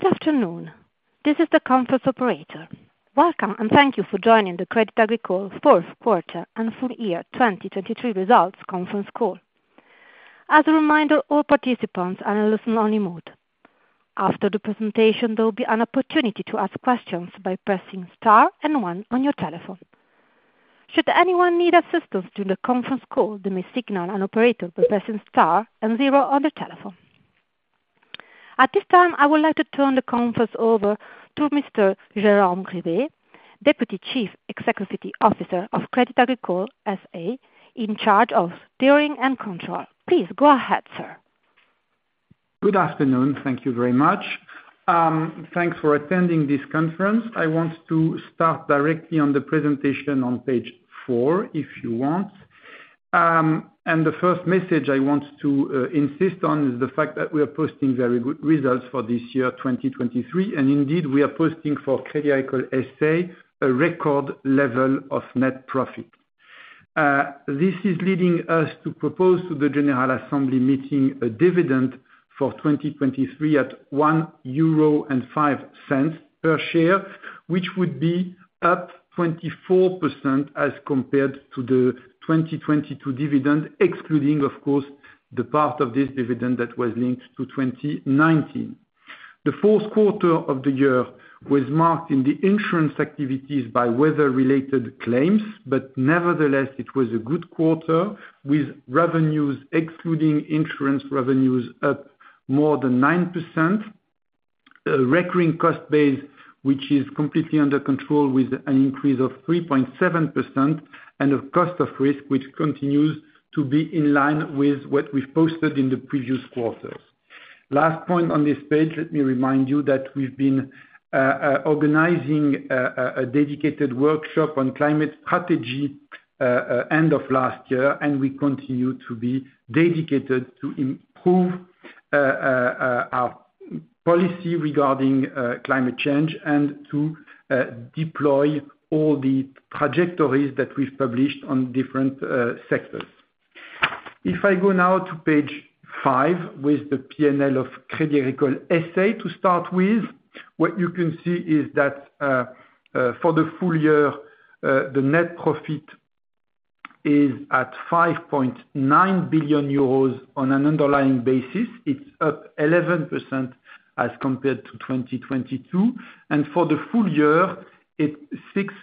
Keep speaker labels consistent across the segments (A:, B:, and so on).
A: Good afternoon. This is the conference operator. Welcome, and thank you for joining the Crédit Agricole fourth quarter and full year 2023 results conference call. As a reminder, all participants are in listen-only mode. After the presentation, there will be an opportunity to ask questions by pressing star and one on your telephone. Should anyone need assistance during the conference call, they may signal an operator by pressing star and zero on their telephone. At this time, I would like to turn the conference over to Mr. Jérôme Grivet, Deputy Chief Executive Officer of Crédit Agricole S.A., in charge of Steering and Control. Please go ahead, sir.
B: Good afternoon. Thank you very much. Thanks for attending this conference. I want to start directly on the presentation on page 4, if you want. The first message I want to insist on is the fact that we are posting very good results for this year, 2023, and indeed, we are posting for Crédit Agricole S.A., a record level of net profit. This is leading us to propose to the general assembly meeting a dividend for 2023 at 1.05 euro per share, which would be up 24% as compared to the 2022 dividend, excluding, of course, the part of this dividend that was linked to 2019. The fourth quarter of the year was marked in the insurance activities by weather-related claims, but nevertheless, it was a good quarter, with revenues excluding insurance revenues, up more than 9%. Recurring cost base, which is completely under control with an increase of 3.7%, and a cost of risk, which continues to be in line with what we've posted in the previous quarters. Last point on this page, let me remind you that we've been organizing a dedicated workshop on climate strategy end of last year, and we continue to be dedicated to improve our policy regarding climate change and to deploy all the trajectories that we've published on different sectors. If I go now to page 5, with the P&L of Crédit Agricole S.A. to start with, what you can see is that, for the full year, the net profit is at 5.9 billion euros on an underlying basis. It's up 11% as compared to 2022, and for the full year, it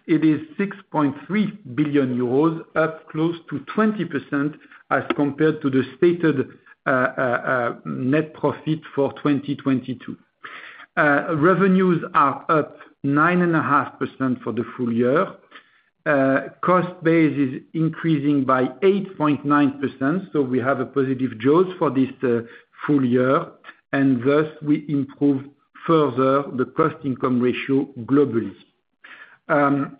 B: is 6.3 billion euros, up close to 20% as compared to the stated net profit for 2022. Revenues are up 9.5% for the full year. Cost base is increasing by 8.9%, so we have a positive surge for this full year, and thus we improve further the cost-income ratio globally. If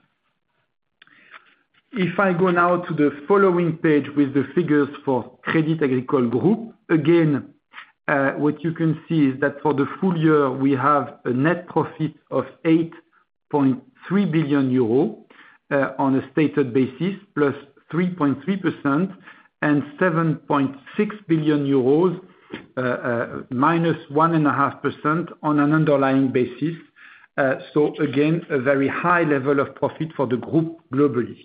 B: I go now to the following page with the figures for Crédit Agricole Group, again, what you can see is that for the full year, we have a net profit of 8.3 billion euro on a stated basis, +3.3%, and 7.6 billion euros minus 1.5% on an underlying basis. So again, a very high level of profit for the group globally.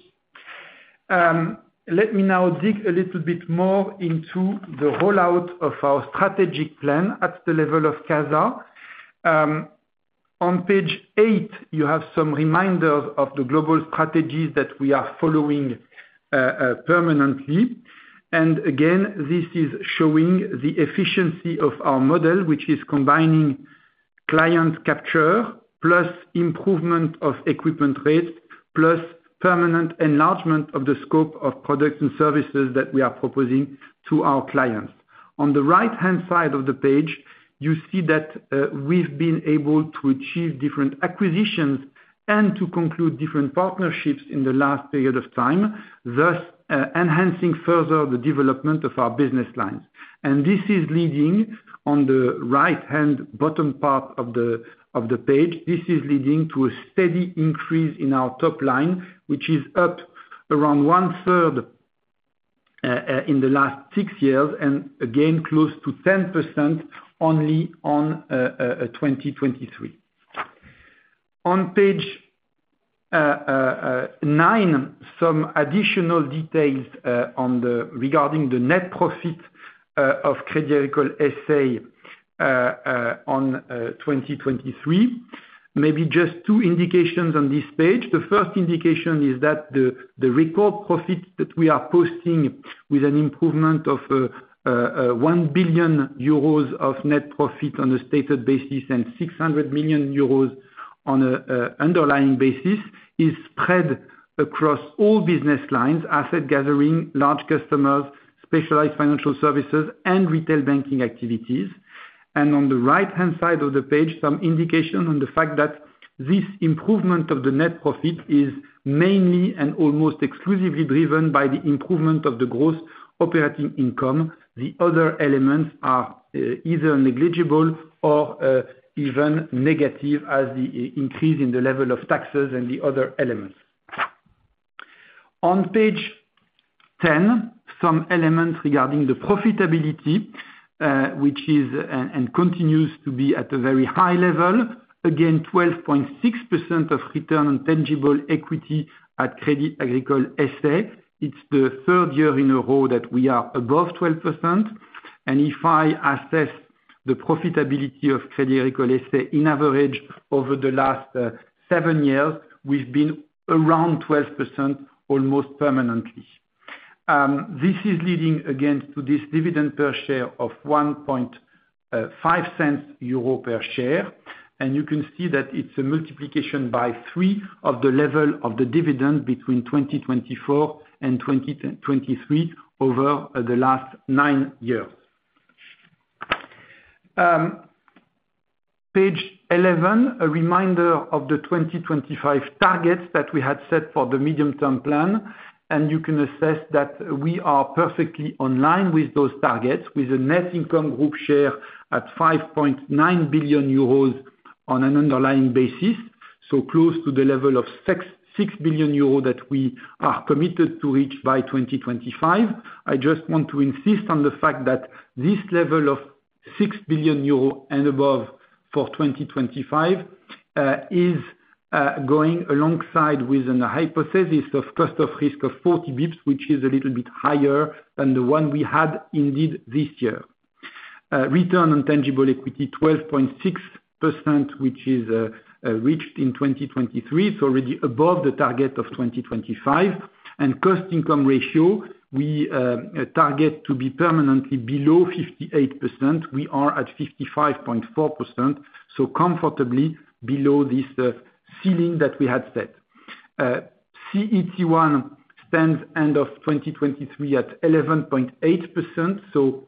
B: Let me now dig a little bit more into the rollout of our strategic plan at the level of CASA. On page 8, you have some reminders of the global strategies that we are following permanently. Again, this is showing the efficiency of our model, which is combining client capture, plus improvement of equipment rates, plus permanent enlargement of the scope of products and services that we are proposing to our clients. On the right-hand side of the page, you see that we've been able to achieve different acquisitions and to conclude different partnerships in the last period of time, thus enhancing further the development of our business lines. This is leading on the right-hand bottom part of the page to a steady increase in our top line, which is up around one-third in the last six years, and again, close to 10% only on 2023. On page nine, some additional details on regarding the net profit of Crédit Agricole S.A. on 2023. Maybe just two indications on this page. The first indication is that the record profit that we are posting with an improvement of 1 billion euros of net profit on a stated basis, and 600 million euros on a underlying basis, is spread across all business lines, asset gathering, large customers, specialized financial services, and retail banking activities. On the right-hand side of the page, some indication on the fact that this improvement of the net profit is mainly and almost exclusively driven by the improvement of the gross operating income. The other elements are either negligible or even negative as the increase in the level of taxes and the other elements. On page ten, some elements regarding the profitability, which is and continues to be at a very high level. Again, 12.6% return on tangible equity at Crédit Agricole S.A. It's the third year in a row that we are above 12%, and if I assess the profitability of Crédit Agricole S.A., in average over the last seven years, we've been around 12% almost permanently. This is leading again to this dividend per share of 1.05 euro per share, and you can see that it's a multiplication by 3 of the level of the dividend between 2024 and 2013 over the last nine years. Page eleven, a reminder of the 2025 targets that we had set for the medium term plan, and you can assess that we are perfectly online with those targets, with a net income group share at 5.9 billion euros on an underlying basis, so close to the level of 6.6 billion euros that we are committed to reach by 2025. I just want to insist on the fact that this level of 6 billion euro and above for 2025 is going alongside with a hypothesis of cost of risk of 40 basis points, which is a little bit higher than the one we had, indeed, this year. Return on tangible equity, 12.6%, which is reached in 2023, it's already above the target of 2025. And cost income ratio, we target to be permanently below 58%. We are at 55.4%, so comfortably below this ceiling that we had set. CET1 stands end of 2023 at 11.8%, so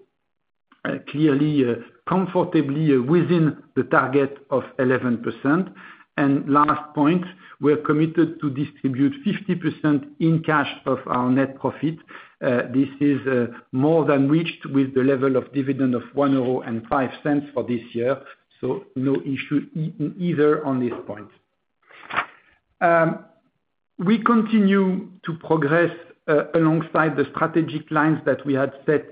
B: clearly comfortably within the target of 11%. And last point, we're committed to distribute 50% in cash of our net profit. This is more than reached with the level of dividend of 1.05 euro for this year, so no issue either on this point. We continue to progress alongside the strategic lines that we had set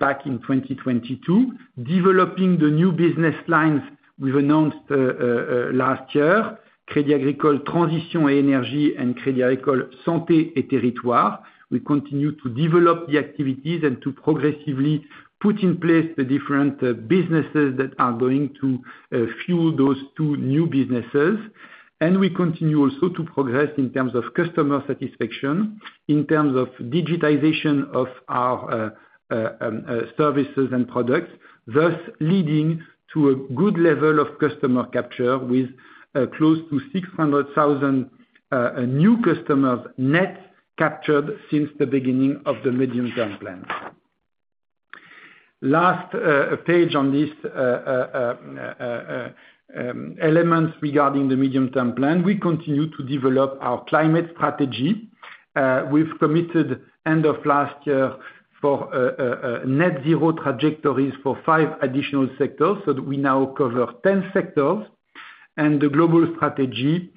B: back in 2022, developing the new business lines we've announced last Crédit Agricole Transitions & Énergies and Crédit Agricole Santé & Territoires. We continue to develop the activities and to progressively put in place the different businesses that are going to fuel those two new businesses. We continue also to progress in terms of customer satisfaction, in terms of digitization of our services and products, thus leading to a good level of customer capture with close to 600,000 new customers net captured since the beginning of the medium term plan. Last page on this elements regarding the medium term plan, we continue to develop our climate strategy. We've committed end of last year for a net zero trajectories for five additional sectors, so that we now cover 10 sectors. The global strategy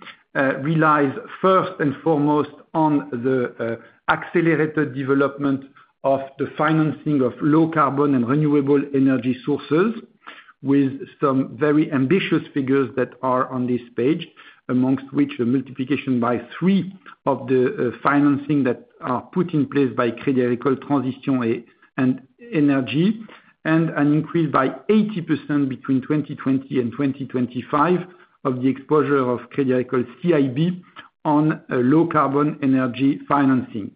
B: relies first and foremost on the accelerated development of the financing of low carbon and renewable energy sources, with some very ambitious figures that are on this page, amongst which are multiplication by 3 of the financing that are put in place by Crédit Agricole Transitions & Énergies, and an increase by 80% between 2020 and 2025 of the exposure of Crédit Agricole CIB on a low carbon energy financing.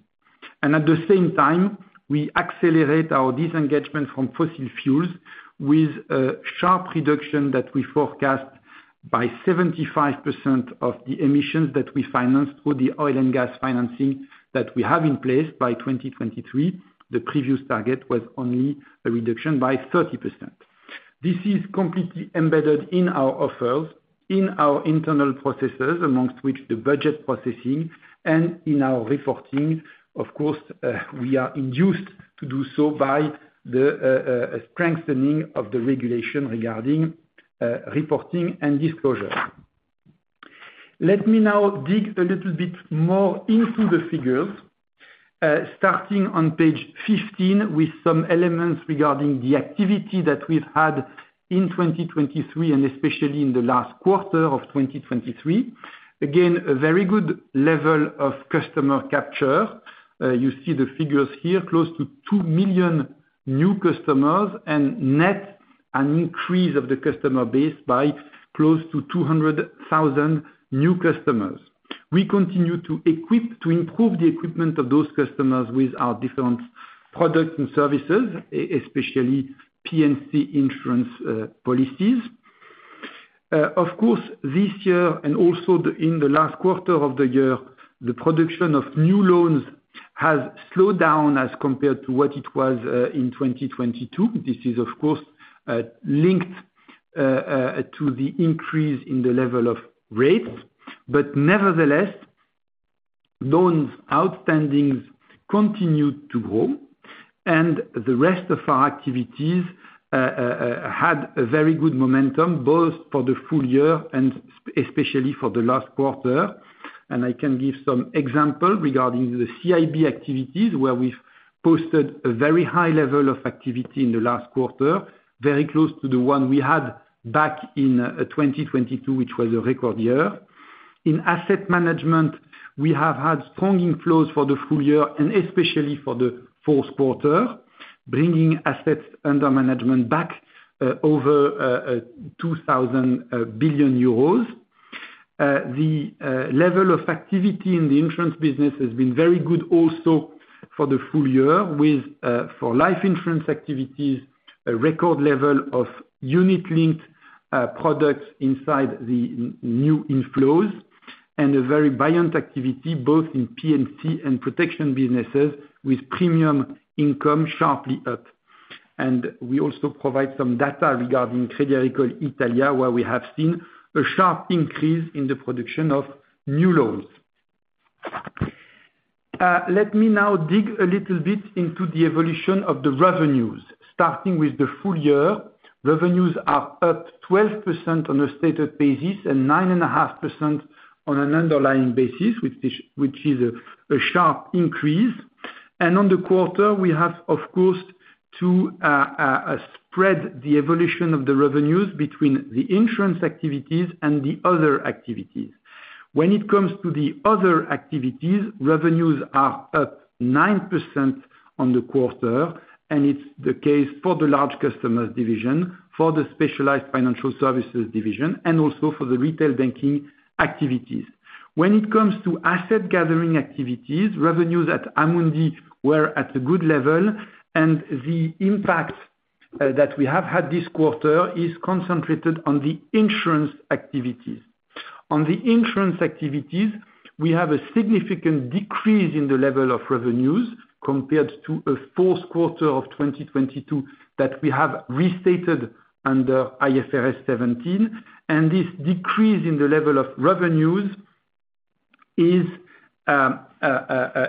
B: And at the same time, we accelerate our disengagement from fossil fuels with a sharp reduction that we forecast by 75% of the emissions that we financed for the oil and gas financing that we have in place by 2023. The previous target was only a reduction by 30%. This is completely embedded in our offers, in our internal processes, among which the budget processing and in our reporting. Of course, we are induced to do so by the strengthening of the regulation regarding reporting and disclosure. Let me now dig a little bit more into the figures, starting on page 15, with some elements regarding the activity that we've had in 2023, and especially in the last quarter of 2023. Again, a very good level of customer capture. You see the figures here, close to 2 million new customers, and net, an increase of the customer base by close to 200,000 new customers. We continue to improve the equipment of those customers with our different products and services, especially P&C insurance policies. Of course, this year, and also in the last quarter of the year, the production of new loans has slowed down as compared to what it was in 2022. This is of course linked to the increase in the level of rates. But nevertheless, loans outstandings continued to grow, and the rest of our activities had a very good momentum, both for the full year and especially for the last quarter. And I can give some example regarding the CIB activities, where we've posted a very high level of activity in the last quarter, very close to the one we had back in 2022, which was a record year. In asset management, we have had strong inflows for the full year, and especially for the fourth quarter, bringing assets under management back over 2,000 billion euros. The level of activity in the insurance business has been very good also for the full year with, for life insurance activities, a record level of unit-linked products inside the new inflows, and a very buoyant activity both in P&C and protection businesses with premium income sharply up. We also provide some data regarding Crédit Agricole Italia, where we have seen a sharp increase in the production of new loans. Let me now dig a little bit into the evolution of the revenues. Starting with the full year, revenues are up 12% on a stated basis, and 9.5% on an underlying basis, which is a sharp increase. On the quarter, we have, of course, to spread the evolution of the revenues between the insurance activities and the other activities. When it comes to the other activities, revenues are up 9% on the quarter, and it's the case for the large customers division, for the specialized financial services division, and also for the retail banking activities. When it comes to asset-gathering activities, revenues at Amundi were at a good level, and the impact that we have had this quarter is concentrated on the insurance activities. On the insurance activities, we have a significant decrease in the level of revenues compared to a fourth quarter of 2022, that we have restated under IFRS 17, and this decrease in the level of revenues is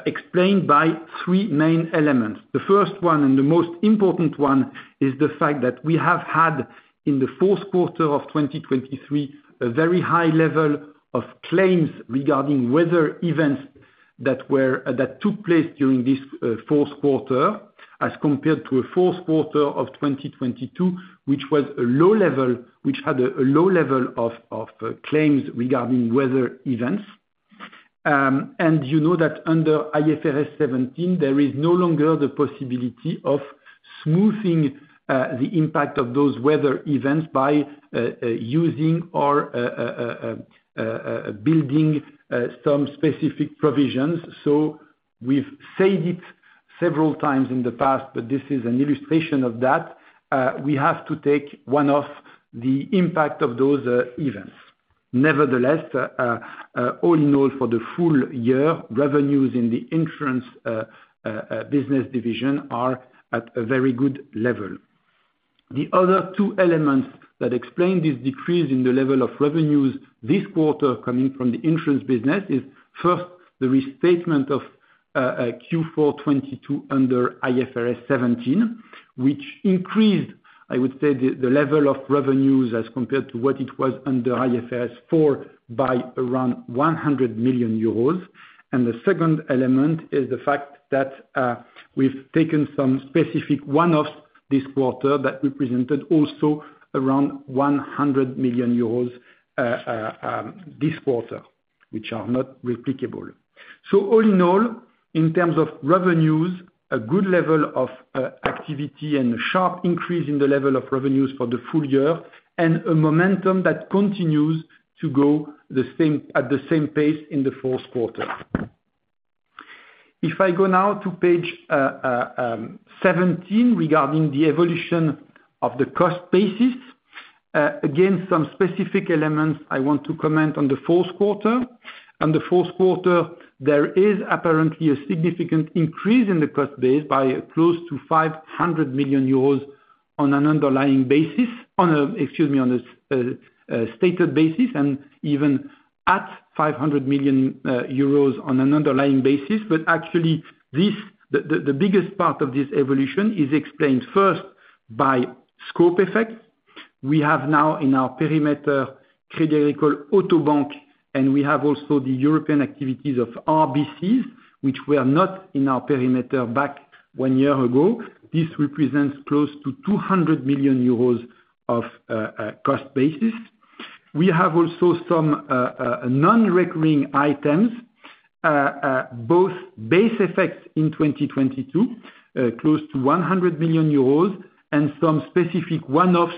B: explained by three main elements. The first one, and the most important one, is the fact that we have had, in the fourth quarter of 2023, a very high level of claims regarding weather events that took place during this fourth quarter, as compared to a fourth quarter of 2022, which had a low level of claims regarding weather events. You know that under IFRS 17, there is no longer the possibility of smoothing the impact of those weather events by using or building some specific provisions. So we've said it several times in the past, but this is an illustration of that, we have to take the one-off impact of those events. Nevertheless, all in all, for the full year, revenues in the insurance business division are at a very good level. The other two elements that explain this decrease in the level of revenues this quarter, coming from the insurance business, is first, the restatement of Q4 2022 under IFRS 17, which increased, I would say, the level of revenues as compared to what it was under IFRS 4, by around 100 million euros. The second element is the fact that we've taken some specific one-offs this quarter that represented also around 100 million euros this quarter, which are not replicable. So all in all, in terms of revenues, a good level of activity and a sharp increase in the level of revenues for the full year, and a momentum that continues to go at the same pace in the fourth quarter. If I go now to page 17, regarding the evolution of the cost basis, again, some specific elements I want to comment on the fourth quarter. On the fourth quarter, there is apparently a significant increase in the cost base by close to 500 million euros on an underlying basis, excuse me, on a stated basis, and even at 500 million euros on an underlying basis. But actually, this, the biggest part of this evolution is explained first by scope effect. We have now in our perimeter, CA Auto Bank, and we have also the European activities of RBC's, which were not in our perimeter back 1 year ago. This represents close to 200 million euros of cost basis. We have also some non-recurring items, both base effects in 2022, close to 100 million euros, and some specific one-offs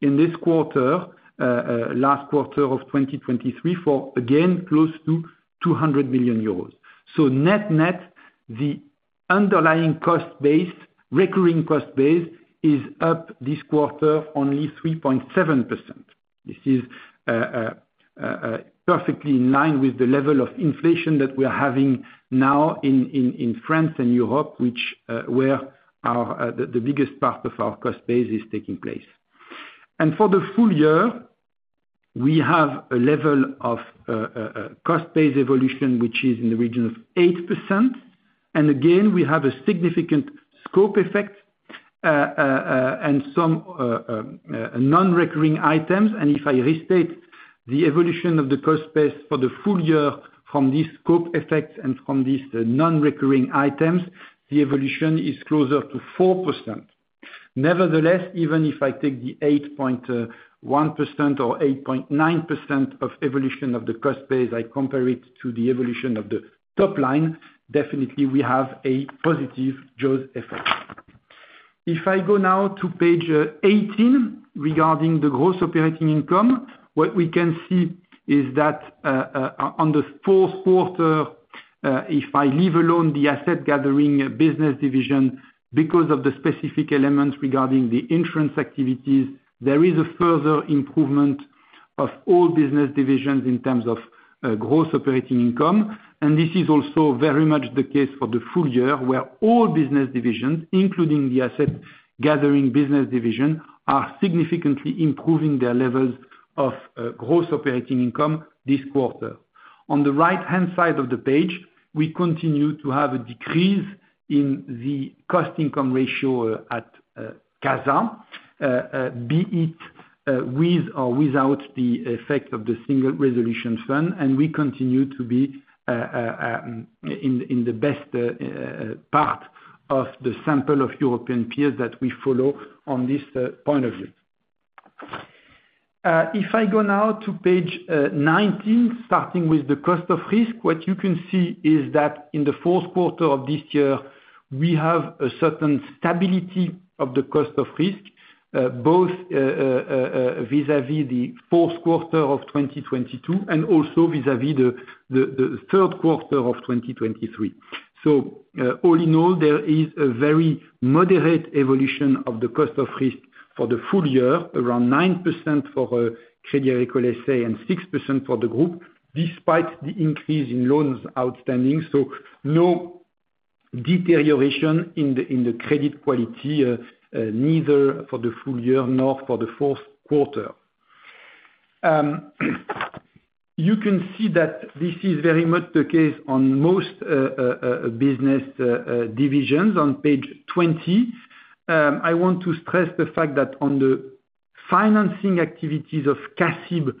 B: in this quarter, last quarter of 2023, for again close to 200 million euros. So net-net, the underlying cost base, recurring cost base, is up this quarter only 3.7%. This is perfectly in line with the level of inflation that we are having now in France and Europe, which where our the biggest part of our cost base is taking place. And for the full year we have a level of cost base evolution, which is in the region of 8%, and again, we have a significant scope effect and some non-recurring items. And if I restate the evolution of the cost base for the full year from this scope effect and from these non-recurring items, the evolution is closer to 4%. Nevertheless, even if I take the 8.1% or 8.9% evolution of the cost base, I compare it to the evolution of the top line, definitely we have a positive jaws effect. If I go now to page 18, regarding the gross operating income, what we can see is that on the fourth quarter, if I leave alone the asset gathering business division, because of the specific elements regarding the insurance activities, there is a further improvement of all business divisions in terms of gross operating income. And this is also very much the case for the full year, where all business divisions, including the asset gathering business division, are significantly improving their levels of gross operating income this quarter. On the right-hand side of the page, we continue to have a decrease in the cost-income ratio at CASA, be it with or without the effect of the Single Resolution Fund, and we continue to be in the best part of the sample of European peers that we follow on this point of view. If I go now to page 19, starting with the cost of risk, what you can see is that in the fourth quarter of this year, we have a certain stability of the cost of risk, both vis-à-vis the fourth quarter of 2022, and also vis-à-vis the third quarter of 2023. So, all in all, there is a very moderate evolution of the cost of risk for the full year, around 9% for Crédit Agricole S.A. and 6% for the group, despite the increase in loans outstanding. So no deterioration in the credit quality, neither for the full year nor for the fourth quarter. You can see that this is very much the case on most business divisions. On page 20, I want to stress the fact that on the financing activities of CACEIS,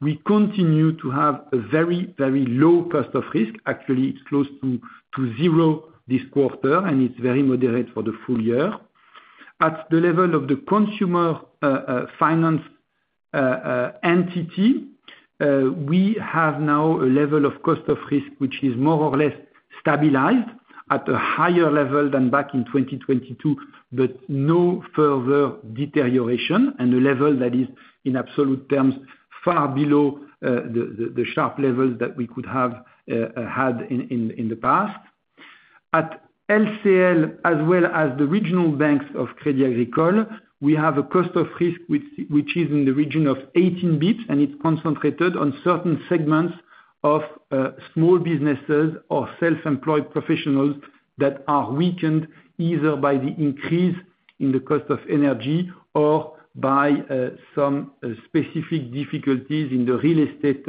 B: we continue to have a very, very low cost of risk. Actually, it's close to 0 this quarter, and it's very moderate for the full year. At the level of the consumer finance entity, we have now a level of cost of risk which is more or less stabilized at a higher level than back in 2022, but no further deterioration, and a level that is, in absolute terms, far below the sharp levels that we could have had in the past. At LCL, as well as the regional banks of Crédit Agricole, we have a cost of risk which is in the region of 18 basis points, and it's concentrated on certain segments of small businesses or self-employed professionals that are weakened, either by the increase in the cost of energy or by some specific difficulties in the real estate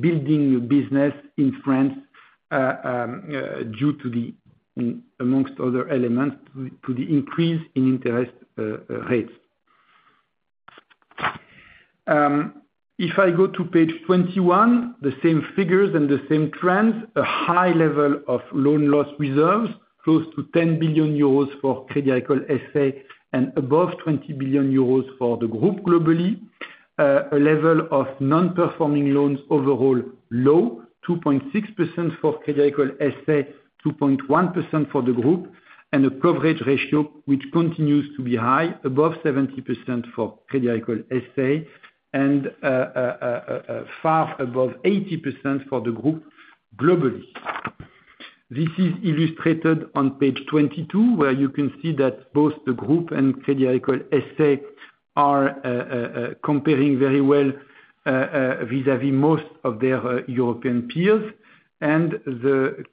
B: building business in France, due to the, amongst other elements, to the increase in interest rates. If I go to page 21, the same figures and the same trends, a high level of loan loss reserves, close to 10 billion euros for Crédit Agricole S.A., and above 20 billion euros for the group globally. A level of non-performing loans overall, low, 2.6% for Crédit Agricole S.A., 2.1% for the group, and a coverage ratio, which continues to be high, above 70% for Crédit Agricole S.A., and far above 80% for the group globally. This is illustrated on page 22, where you can see that both the group and Crédit Agricole S.A. are comparing very well vis-à-vis most of their European peers. And the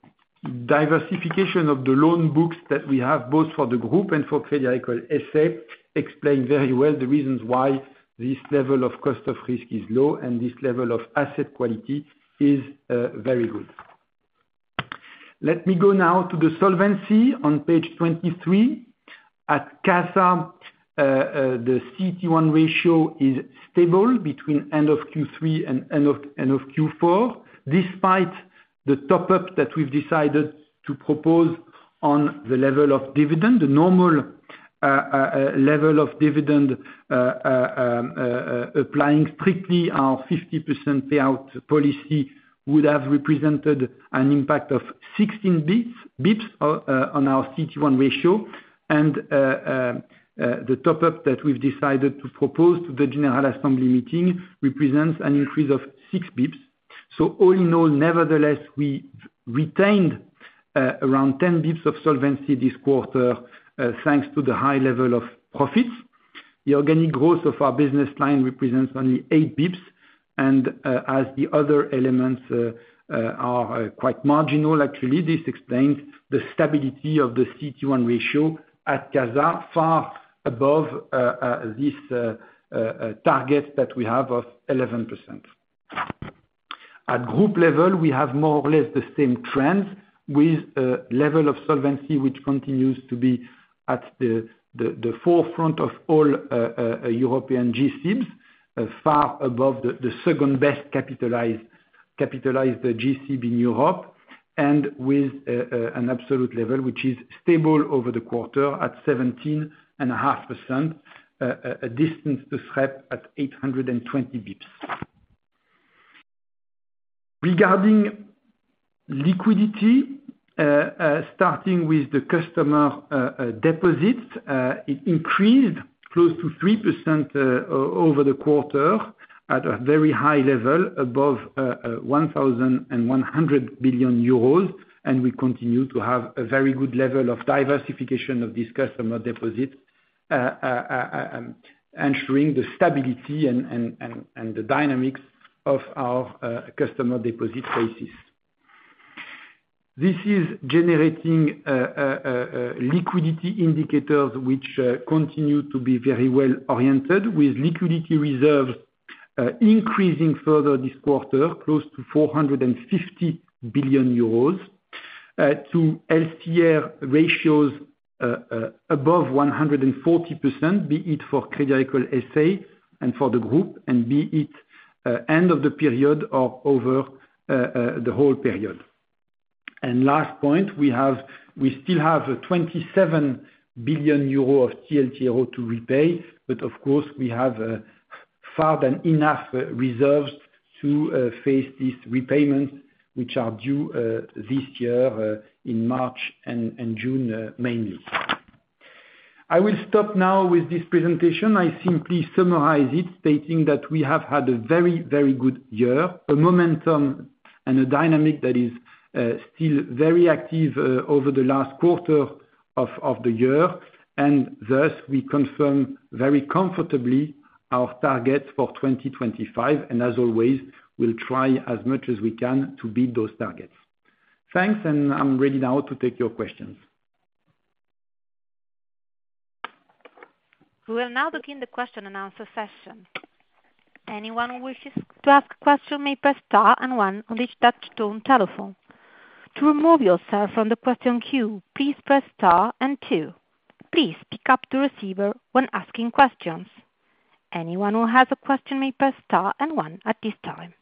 B: diversification of the loan books that we have, both for the group and for Crédit Agricole S.A., explain very well the reasons why this level of cost of risk is low and this level of asset quality is very good. Let me go now to the solvency on page 23. At CASA, the CET1 ratio is stable between end of Q3 and end of Q4, despite the top-up that we've decided to propose on the level of dividend, the normal level of dividend, applying strictly our 50% payout policy would have represented an impact of 16 bps, bps, on our CET1 ratio, and the top-up that we've decided to propose to the general assembly meeting represents an increase of 6 bps. So all in all, nevertheless, we retained around 10 bps of solvency this quarter, thanks to the high level of profits. The organic growth of our business line represents only 8 bps. As the other elements are quite marginal, actually, this explains the stability of the CET1 ratio at CASA, far above this target that we have of 11%. At group level, we have more or less the same trends with a level of solvency, which continues to be at the forefront of all European G-SIBs, far above the second best capitalized G-SIB in Europe, and with an absolute level, which is stable over the quarter at 17.5%, a distance to SREP at 820 basis points. Regarding liquidity, starting with the customer deposits, it increased close to 3% over the quarter at a very high level, above 1,100 billion euros, and we continue to have a very good level of diversification of this customer deposit, ensuring the stability and the dynamics of our customer deposit basis. This is generating a liquidity indicators, which continue to be very well oriented, with liquidity reserves increasing further this quarter, close to 450 billion euros, to LCR ratios above 140%, be it for Crédit Agricole S.A. and for the group, and be it end of the period or over the whole period. Last point, we have, we still have 27 billion euro of TLTRO to repay, but of course, we have far more than enough reserves to face these repayments, which are due this year, in March and June, mainly. I will stop now with this presentation. I simply summarize it, stating that we have had a very, very good year, a momentum and a dynamic that is still very active over the last quarter of the year, and thus, we confirm very comfortably our target for 2025, and as always, we'll try as much as we can to beat those targets. Thanks, and I'm ready now to take your questions.
A: We will now begin the question and answer session. Anyone who wishes to ask a question may press star and one on his touchtone telephone. To remove yourself from the question queue, please press star and two. Please pick up the receiver when asking questions. Anyone who has a question may press star and one at this time.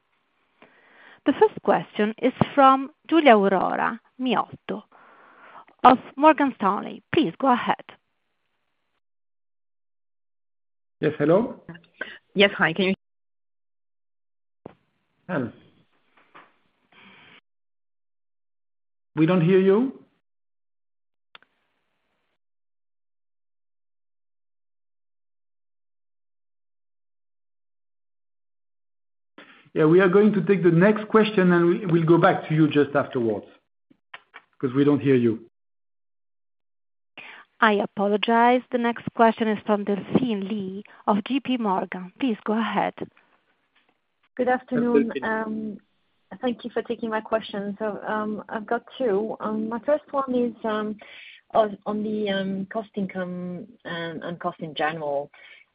A: The first question is from Giulia Aurora Miotto of Morgan Stanley. Please go ahead.
B: Yes, hello?
C: Yes. Hi, can you-
B: We don't hear you? Yeah, we are going to take the next question, and we, we'll go back to you just afterwards, 'cause we don't hear you.
A: I apologize. The next question is from Delphine Lee of JPMorgan. Please go ahead.
D: Good afternoon.
B: Hi, Delphine.
D: Thank you for taking my question. So, I've got two. My first one is on the cost income and cost in general.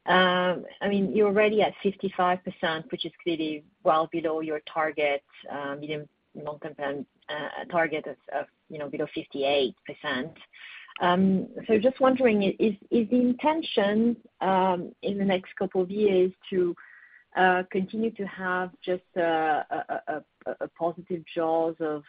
D: I mean, you're already at 55%, which is clearly well below your target, medium, long-term target of, you know, below 58%. So just wondering, is the intention in the next couple of years to continue to have just a positive jaws of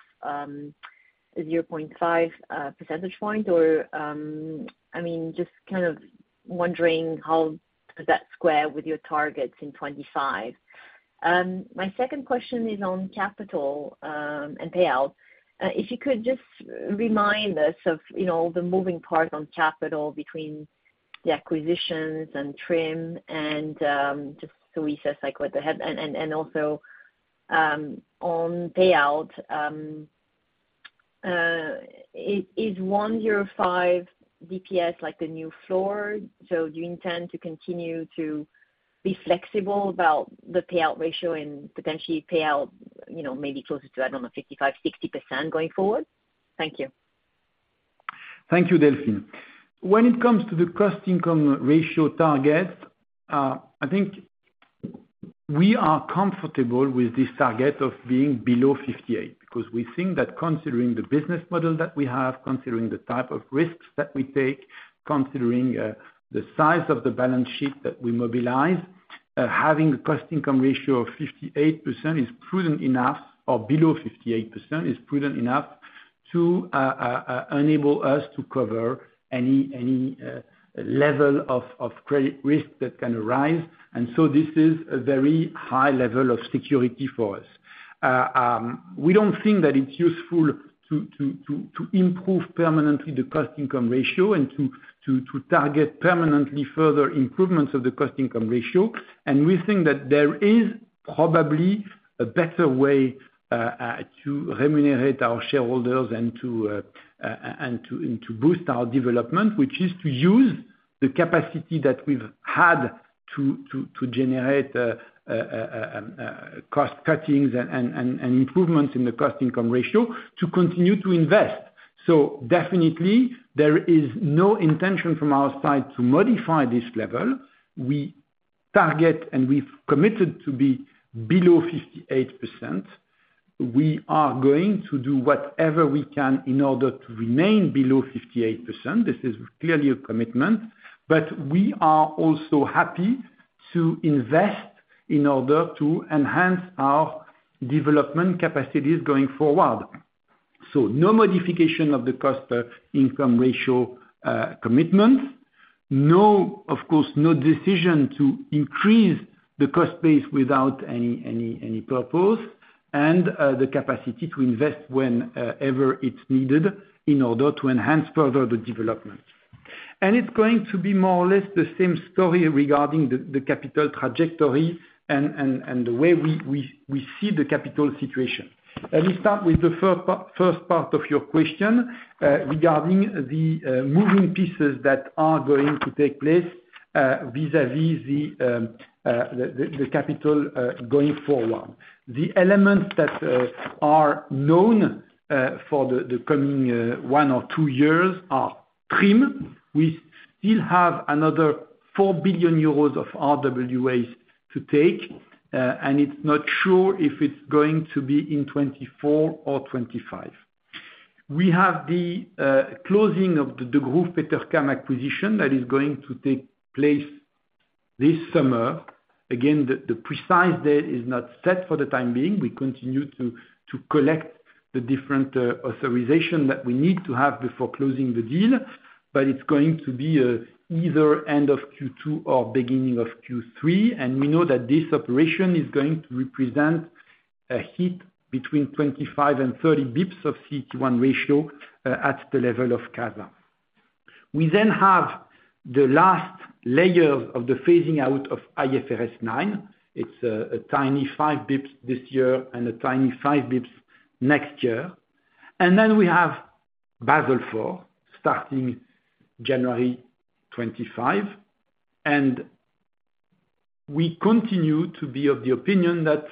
D: 0.5 percentage point? Or, I mean, just kind of wondering how does that square with your targets in 2025. My second question is on capital and payout. If you could just remind us of, you know, the moving parts on capital between the acquisitions and TRIM and, just so we set like what they have, and also, on payout, is 105 bps like the new floor? So do you intend to continue to be flexible about the payout ratio and potentially payout, you know, maybe closer to, I don't know, 55-60% going forward? Thank you.
B: Thank you, Delphine. When it comes to the cost-income ratio target, I think we are comfortable with this target of being below 58%, because we think that considering the business model that we have, considering the type of risks that we take, considering the size of the balance sheet that we mobilize, having a cost-income ratio of 58% is prudent enough, or below 58%, is prudent enough to enable us to cover any level of credit risk that can arise, and so this is a very high level of security for us. We don't think that it's useful to improve permanently the cost-income ratio and to target permanently further improvements of the cost-income ratio, and we think that there is probably a better way to remunerate our shareholders and to boost our development, which is to use the capacity that we've had to generate cost cuttings and improvements in the cost-income ratio to continue to invest. So definitely there is no intention from our side to modify this level. We target, and we've committed to be below 58%. We are going to do whatever we can in order to remain below 58%. This is clearly a commitment, but we are also happy to invest in order to enhance our development capacities going forward. So no modification of the cost-income ratio commitment. No, of course, no decision to increase the cost base without any purpose, and the capacity to invest whenever it's needed in order to enhance further the development. And it's going to be more or less the same story regarding the capital trajectory and the way we see the capital situation. Let me start with the first part of your question, regarding the moving pieces that are going to take place vis-a-vis the capital going forward. The elements that are known for the coming one or two years are prime. We still have another 4 billion euros of RWAs to take, and it's not sure if it's going to be in 2024 or 2025. We have the closing of the Degroof Petercam acquisition that is going to take place this summer. Again, the precise date is not set for the time being. We continue to collect the different authorization that we need to have before closing the deal, but it's going to be either end of Q2 or beginning of Q3. And we know that this operation is going to represent a hit between 25 and 30 bps of CET1 ratio at the level of CASA. We then have the last layer of the phasing out of IFRS 9. It's a tiny 5 bps this year and a tiny 5 bps next year. And then we have Basel IV starting January 2025, and we continue to be of the opinion that,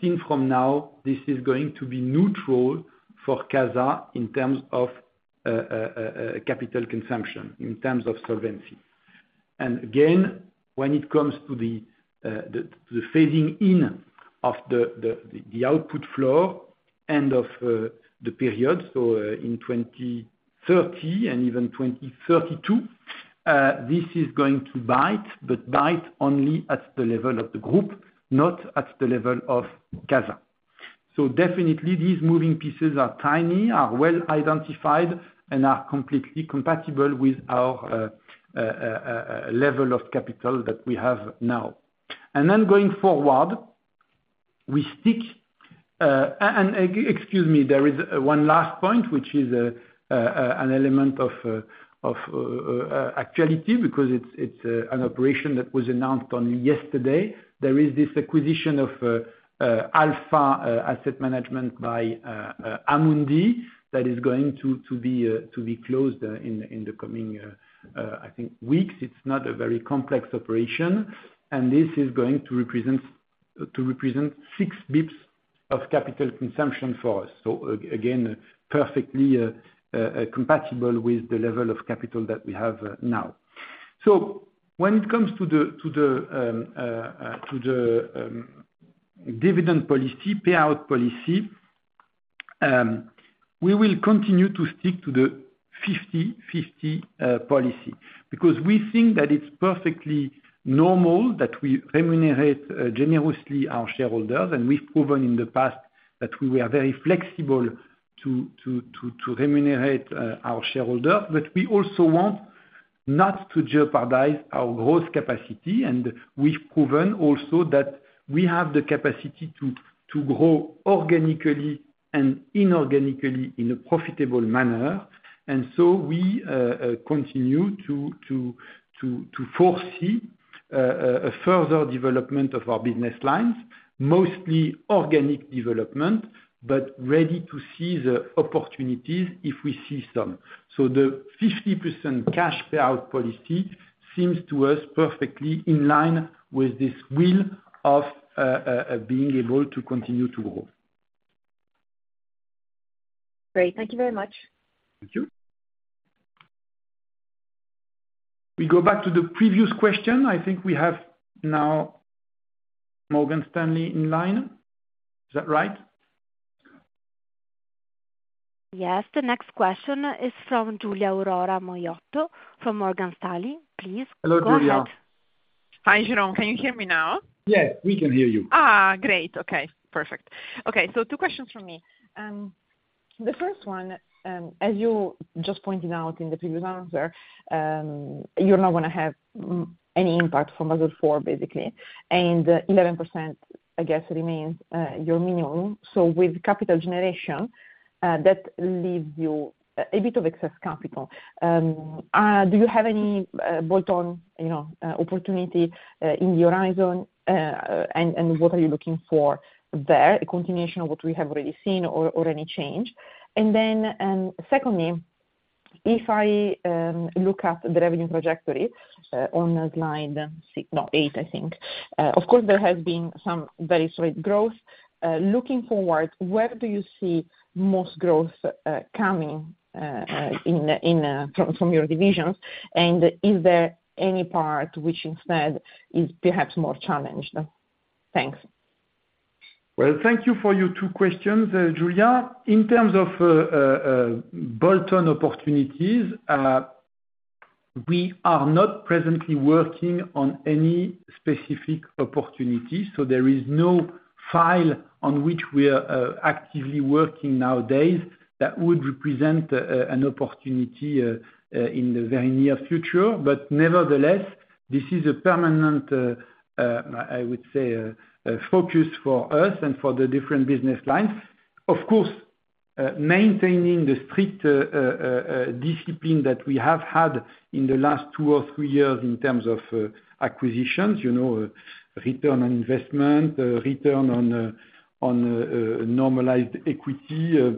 B: seeing from now, this is going to be neutral for CASA in terms of capital consumption, in terms of solvency. And again, when it comes to the phasing in of the output floor end of the period, so in 2030 and even 2032, this is going to bite, but bite only at the level of the group, not at the level of CASA. So definitely these moving pieces are tiny, are well identified, and are completely compatible with our level of capital that we have now. And then going forward, we stick. Excuse me, there is one last point, which is an element of actuality, because it's an operation that was announced only yesterday. There is this acquisition of Alpha Associates by Amundi that is going to be closed in the coming, I think, weeks. It's not a very complex operation, and this is going to represent six bps of capital consumption for us. So again, perfectly compatible with the level of capital that we have now. So when it comes to the dividend policy, payout policy, we will continue to stick to the 50/50 policy, because we think that it's perfectly normal that we remunerate generously our shareholders, and we've proven in the past that we are very flexible to remunerate our shareholders. But we also want not to jeopardize our growth capacity, and we've proven also that we have the capacity to grow organically and inorganically in a profitable manner. So we continue to foresee a further development of our business lines, mostly organic development, but ready to seize the opportunities if we see some. So the 50% cash payout policy seems to us perfectly in line with this will of being able to continue to grow.
D: Great. Thank you very much.
B: Thank you. We go back to the previous question. I think we have now Morgan Stanley in line. Is that right?
A: Yes. The next question is from Giulia Aurora Miotto, from Morgan Stanley. Please go ahead.
B: Hello, Giulia.
C: Hi, Jérôme. Can you hear me now?
B: Yes, we can hear you.
C: Ah, great. Okay, perfect. Okay, so two questions from me. The first one, as you just pointed out in the previous answer, you're not gonna have any impact from Basel IV, basically, and 11%, I guess, remains your minimum. So with capital generation, that leaves you a bit of excess capital. Do you have any bolt-on, you know, opportunity in the horizon? And what are you looking for there? A continuation of what we have already seen or any change? And then, secondly-... if I look at the revenue trajectory on the slide 6, no, 8, I think, of course, there has been some very solid growth. Looking forward, where do you see most growth coming from your divisions? And is there any part which instead is perhaps more challenged? Thanks.
B: Well, thank you for your two questions, Julia. In terms of bolt-on opportunities, we are not presently working on any specific opportunity, so there is no file on which we are actively working nowadays that would represent an opportunity in the very near future. But nevertheless, this is a permanent, I would say, a focus for us and for the different business lines. Of course, maintaining the strict discipline that we have had in the last two or three years in terms of acquisitions, you know, return on investment, return on normalized equity,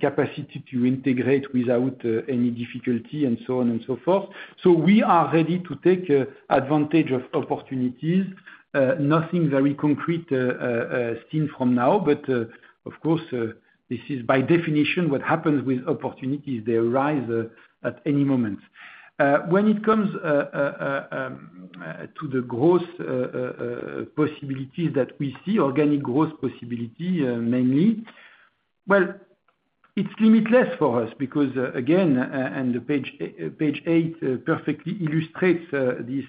B: capacity to integrate without any difficulty, and so on and so forth. So we are ready to take advantage of opportunities. Nothing very concrete seen from now, but of course this is by definition what happens with opportunities. They arise at any moment. When it comes to the growth possibilities that we see, organic growth possibility mainly, well, it's limitless for us because again and the page page 8 perfectly illustrates this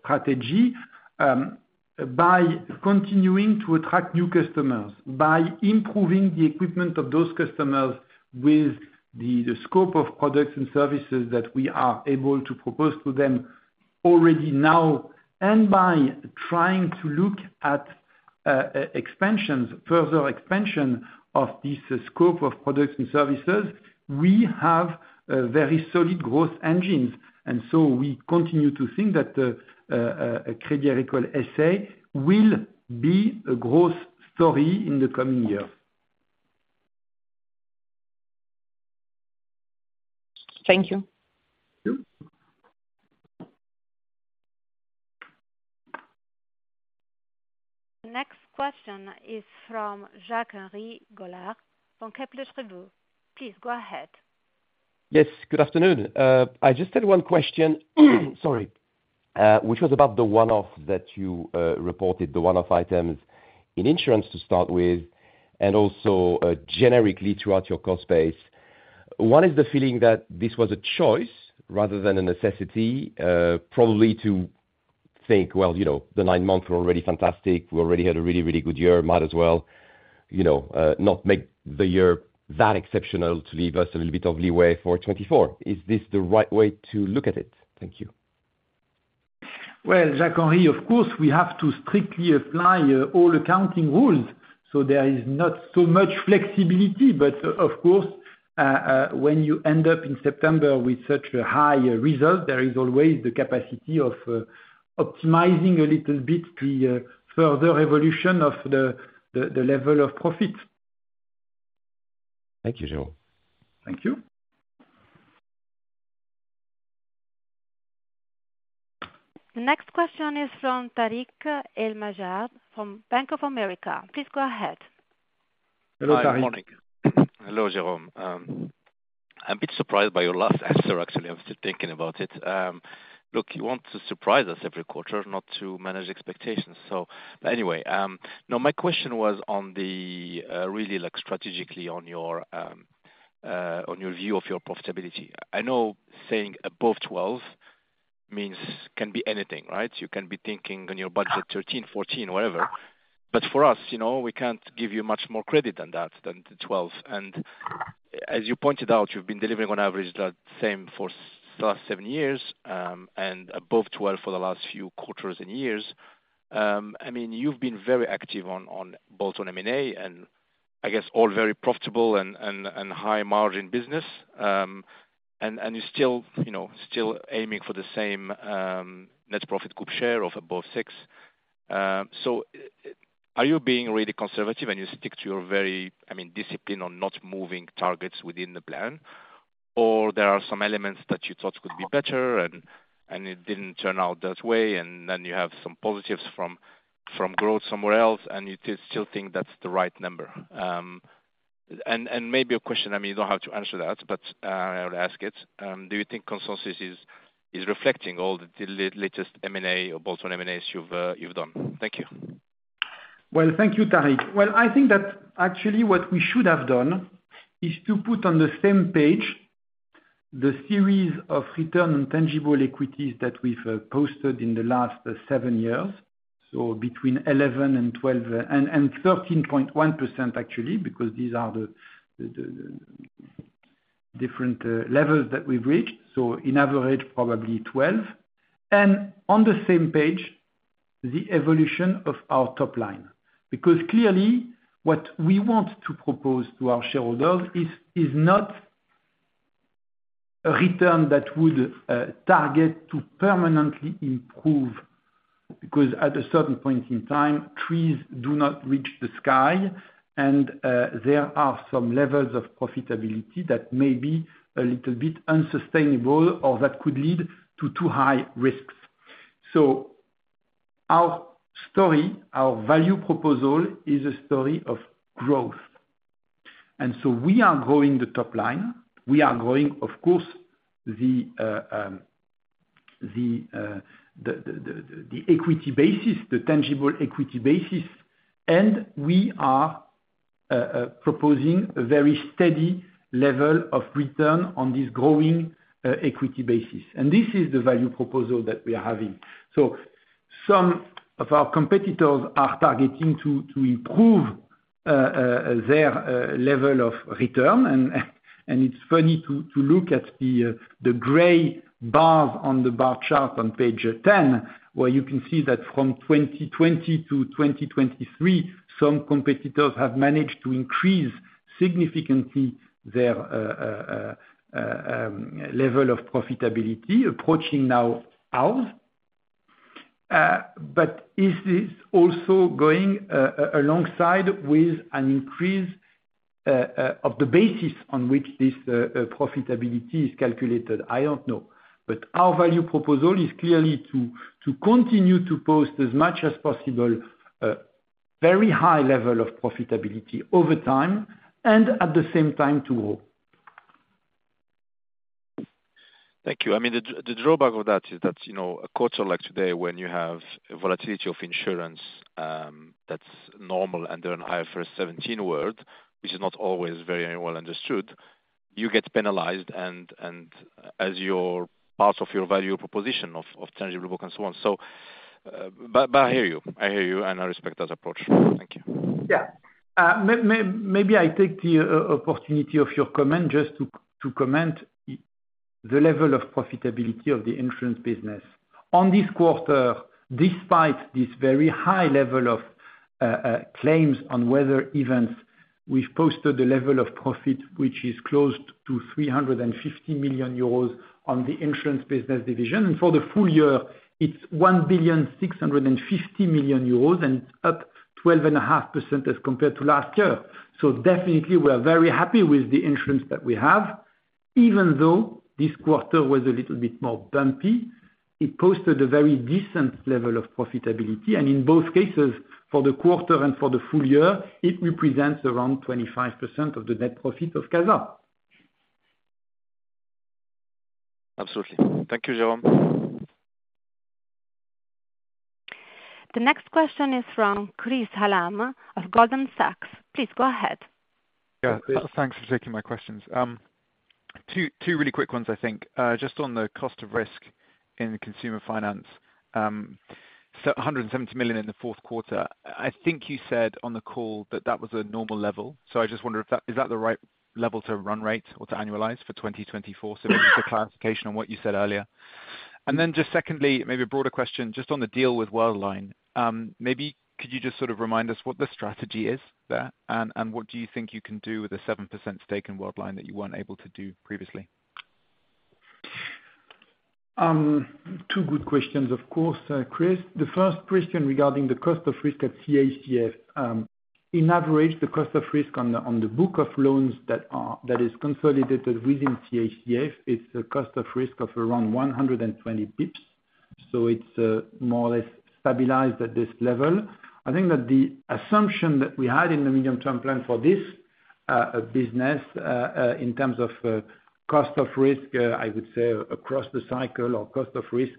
B: strategy. By continuing to attract new customers, by improving the equipment of those customers with the, the scope of products and services that we are able to propose to them already now, and by trying to look at expansions, further expansion of this scope of products and services, we have a very solid growth engines, and so we continue to think that Crédit Agricole S.A. will be a growth story in the coming year.
C: Thank you.
B: Thank you.
A: The next question is from Jacques-Henri Gaulard, from Kepler Cheuvreux. Please go ahead.
E: Yes, good afternoon. I just had one question, sorry, which was about the one-off that you reported, the one-off items in insurance to start with, and also, generically throughout your cost base. One is the feeling that this was a choice rather than a necessity, probably to think, well, you know, the nine months were already fantastic. We already had a really, really good year, might as well, you know, not make the year that exceptional to leave us a little bit of leeway for 2024. Is this the right way to look at it? Thank you.
B: Well, Jacques-Henri, of course, we have to strictly apply all accounting rules, so there is not so much flexibility. But of course, when you end up in September with such a high result, there is always the capacity of optimizing a little bit the further evolution of the level of profit.
E: Thank you, Jérôme.
B: Thank you.
A: The next question is from Tarik El Mejjad, from Bank of America. Please go ahead.
B: Hello, Tarik.
F: Hi, good morning. Hello, Jérôme. I'm a bit surprised by your last answer, actually, I'm still thinking about it. Look, you want to surprise us every quarter, not to manage expectations, so... But anyway, now my question was on the really, like, strategically on your view of your profitability. I know saying above 12 means can be anything, right? You can be thinking on your budget, 13, 14, whatever. But for us, you know, we can't give you much more credit than that, than the 12. And as you pointed out, you've been delivering on average that same for the last 7 years, and above 12 for the last few quarters and years. I mean, you've been very active on both M&A, and I guess all very profitable and high margin business. You're still, you know, still aiming for the same net profit group share of above 6. So are you being really conservative, and you stick to your very, I mean, discipline on not moving targets within the plan? Or there are some elements that you thought could be better, and it didn't turn out that way, and then you have some positives from growth somewhere else, and you still think that's the right number? And maybe a question, I mean, you don't have to answer that, but I'll ask it. Do you think consensus is reflecting all the latest M&A, or bolt-on M&As you've done? Thank you.
B: Well, thank you, Tarik. Well, I think that actually what we should have done is to put on the same page the series of return and tangible equities that we've posted in the last seven years, so between 11% and 12%, and 13.1%, actually, because these are the different levels that we've reached, so on average, probably 12%. And on the same page, the evolution of our top line, because clearly, what we want to propose to our shareholders is not a return that would target to permanently improve, because at a certain point in time, trees do not reach the sky, and there are some levels of profitability that may be a little bit unsustainable or that could lead to too high risks. So our story, our value proposal, is a story of growth. And so we are growing the top line, we are growing, of course, the equity basis, the tangible equity basis, and we are proposing a very steady level of return on this growing equity basis. And this is the value proposal that we are having. So some of our competitors are targeting to improve their level of return, and it's funny to look at the gray bars on the bar chart on page 10, where you can see that from 2020 to 2023, some competitors have managed to increase significantly their level of profitability, approaching now ours. But is this also going alongside with an increase of the basis on which this profitability is calculated? I don't know. Our value proposal is clearly to continue to post as much as possible, very high level of profitability over time, and at the same time, to grow.
F: Thank you. I mean, the drawback of that is that, you know, a quarter like today, when you have a volatility of insurance, that's normal, and then a higher IFRS 17, which is not always very well understood. You get penalized and as part of your value proposition of tangible book, and so on. So, but I hear you, I hear you, and I respect that approach. Thank you.
B: Yeah. Maybe I take the opportunity of your comment just to comment the level of profitability of the insurance business. On this quarter, despite this very high level of claims on weather events, we've posted a level of profit which is close to 350 million euros on the insurance business division. For the full year, it's 1.65 billion, and up 12.5% as compared to last year. So definitely we are very happy with the insurance that we have. Even though this quarter was a little bit more bumpy, it posted a very decent level of profitability, and in both cases, for the quarter and for the full year, it represents around 25% of the net profit of CASA.
F: Absolutely. Thank you, Jérôme.
A: The next question is from Chris Hallam of Goldman Sachs. Please go ahead.
G: Yeah, thanks for taking my questions. Two really quick ones, I think. Just on the cost of risk in consumer finance, 170 million in the fourth quarter, I think you said on the call that that was a normal level, so I just wonder if that is the right level to run rate or to annualize for 2024? So just for clarification on what you said earlier. And then just secondly, maybe a broader question, just on the deal with Worldline, maybe could you just sort of remind us what the strategy is there, and what do you think you can do with a 7% stake in Worldline that you weren't able to do previously?
B: Two good questions, of course, Chris. The first question regarding the cost of risk at CACF. On average, the cost of risk on the book of loans that is consolidated within CACF, it's a cost of risk of around 120 bps, so it's more or less stabilized at this level. I think that the assumption that we had in the medium-term plan for this business in terms of cost of risk, I would say across the cycle or cost of risk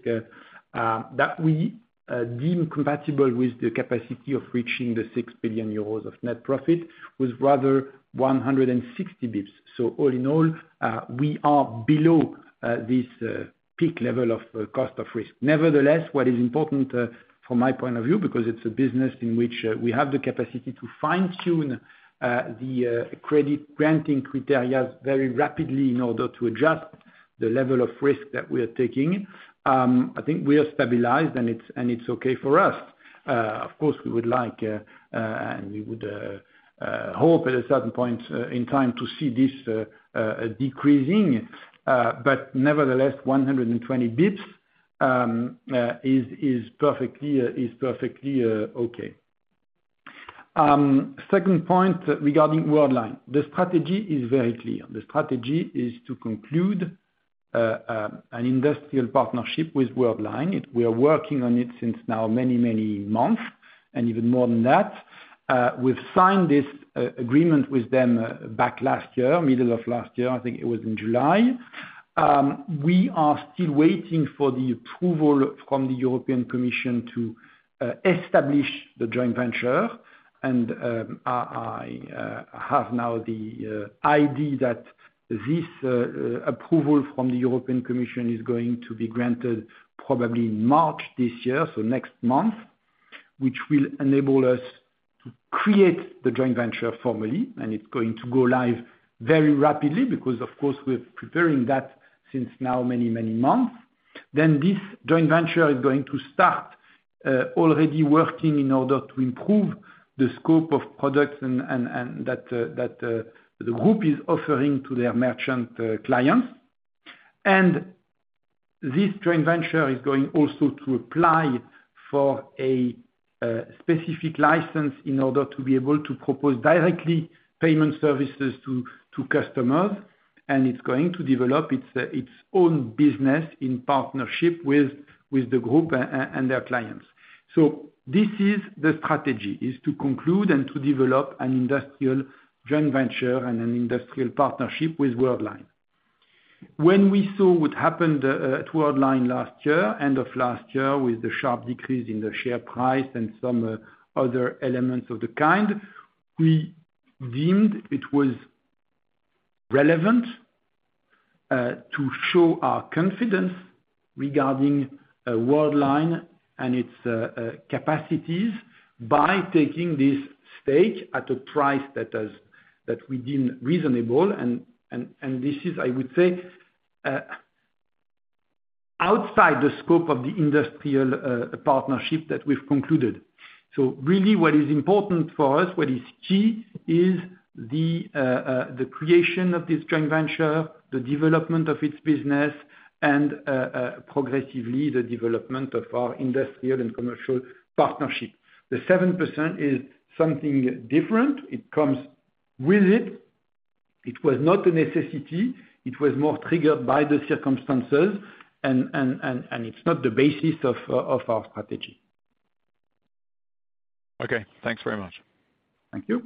B: that we deem compatible with the capacity of reaching 6 billion euros of net profit, was rather 160 bps. So all in all, we are below this peak level of cost of risk. Nevertheless, what is important from my point of view, because it's a business in which we have the capacity to fine-tune the credit granting criteria very rapidly in order to adjust the level of risk that we are taking, I think we are stabilized, and it's okay for us. Of course, we would like and we would hope at a certain point in time to see this decreasing, but nevertheless, 120 basis points is perfectly okay. Second point regarding Worldline, the strategy is very clear. The strategy is to conclude an industrial partnership with Worldline. We are working on it since now many, many months, and even more than that. We've signed this agreement with them back last year, middle of last year, I think it was in July. We are still waiting for the approval from the European Commission to establish the joint venture. I have now the idea that this approval from the European Commission is going to be granted probably in March this year, so next month, which will enable us to create the joint venture formally. It's going to go live very rapidly, because, of course, we're preparing that since now many, many months. Then this joint venture is going to start already working in order to improve the scope of products and that the group is offering to their merchant clients. This joint venture is going also to apply for a specific license in order to be able to propose directly payment services to customers, and it's going to develop its own business in partnership with the group and their clients. So this is the strategy, is to conclude and to develop an industrial joint venture and an industrial partnership with Worldline. When we saw what happened at Worldline last year, end of last year, with the sharp decrease in the share price and some other elements of the kind, we deemed it was relevant to show our confidence regarding Worldline and its capacities by taking this stake at a price that is, that we deemed reasonable. And this is, I would say, outside the scope of the industrial partnership that we've concluded. So really, what is important for us, what is key, is the creation of this joint venture, the development of its business, and progressively, the development of our industrial and commercial partnership. The 7% is something different. It comes with it. It was not a necessity, it was more triggered by the circumstances, and it's not the basis of our strategy.
G: Okay, thanks very much.
B: Thank you.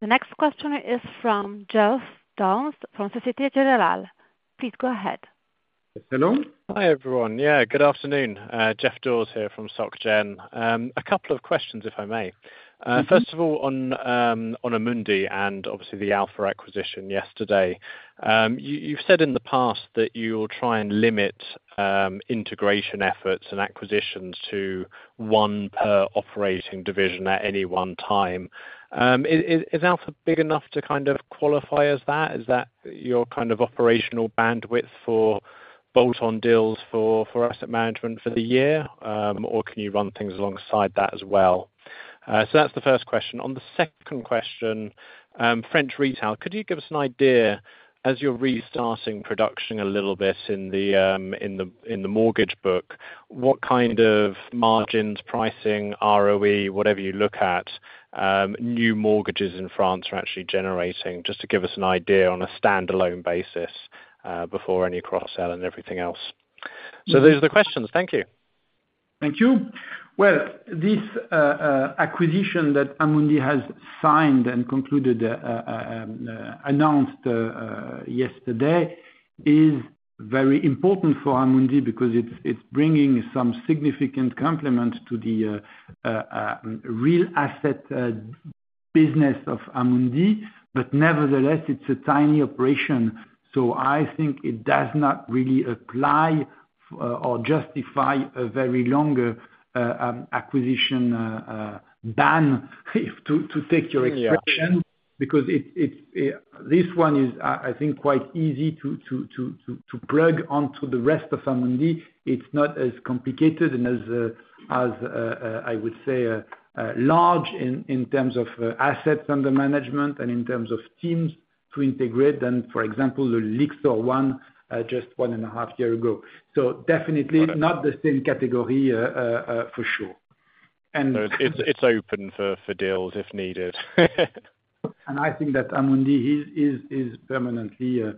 A: The next question is from Geoff Dawes, from Société Générale. Please go ahead.
B: Hello?
H: Hi, everyone. Yeah, good afternoon. Geoff Dawes here from Soc Gen. A couple of questions, if I may.
B: Mm-hmm.
H: First of all, on Amundi, and obviously the Alpha acquisition yesterday, you've said in the past that you will try and limit integration efforts and acquisitions to one per operating division at any one time. Is Alpha big enough to kind of qualify as that? Is that your kind of operational bandwidth for bolt-on deals for asset management for the year? Or can you run things alongside that as well? So that's the first question. On the second question, French Retail, could you give us an idea, as you're restarting production a little bit in the mortgage book, what kind of margins, pricing, ROE, whatever you look at, new mortgages in France are actually generating? Just to give us an idea on a standalone basis, before any cross-sell and everything else. So those are the questions. Thank you.
B: Thank you. Well, this acquisition that Amundi has signed and concluded, announced yesterday is very important for Amundi because it's bringing some significant complement to the real asset business of Amundi, but nevertheless, it's a tiny operation. So I think it does not really apply for or justify a very long acquisition ban, to take your expression-
H: Yeah...
B: because it, this one is, I think, quite easy to plug onto the rest of Amundi. It's not as complicated and as, I would say, large in terms of assets under management and in terms of teams to integrate than, for example, the Lyxor one, just one and a half year ago. So definitely-
H: Got it...
B: not the same category, for sure. And-
H: So it's open for deals, if needed.
B: And I think that Amundi is permanently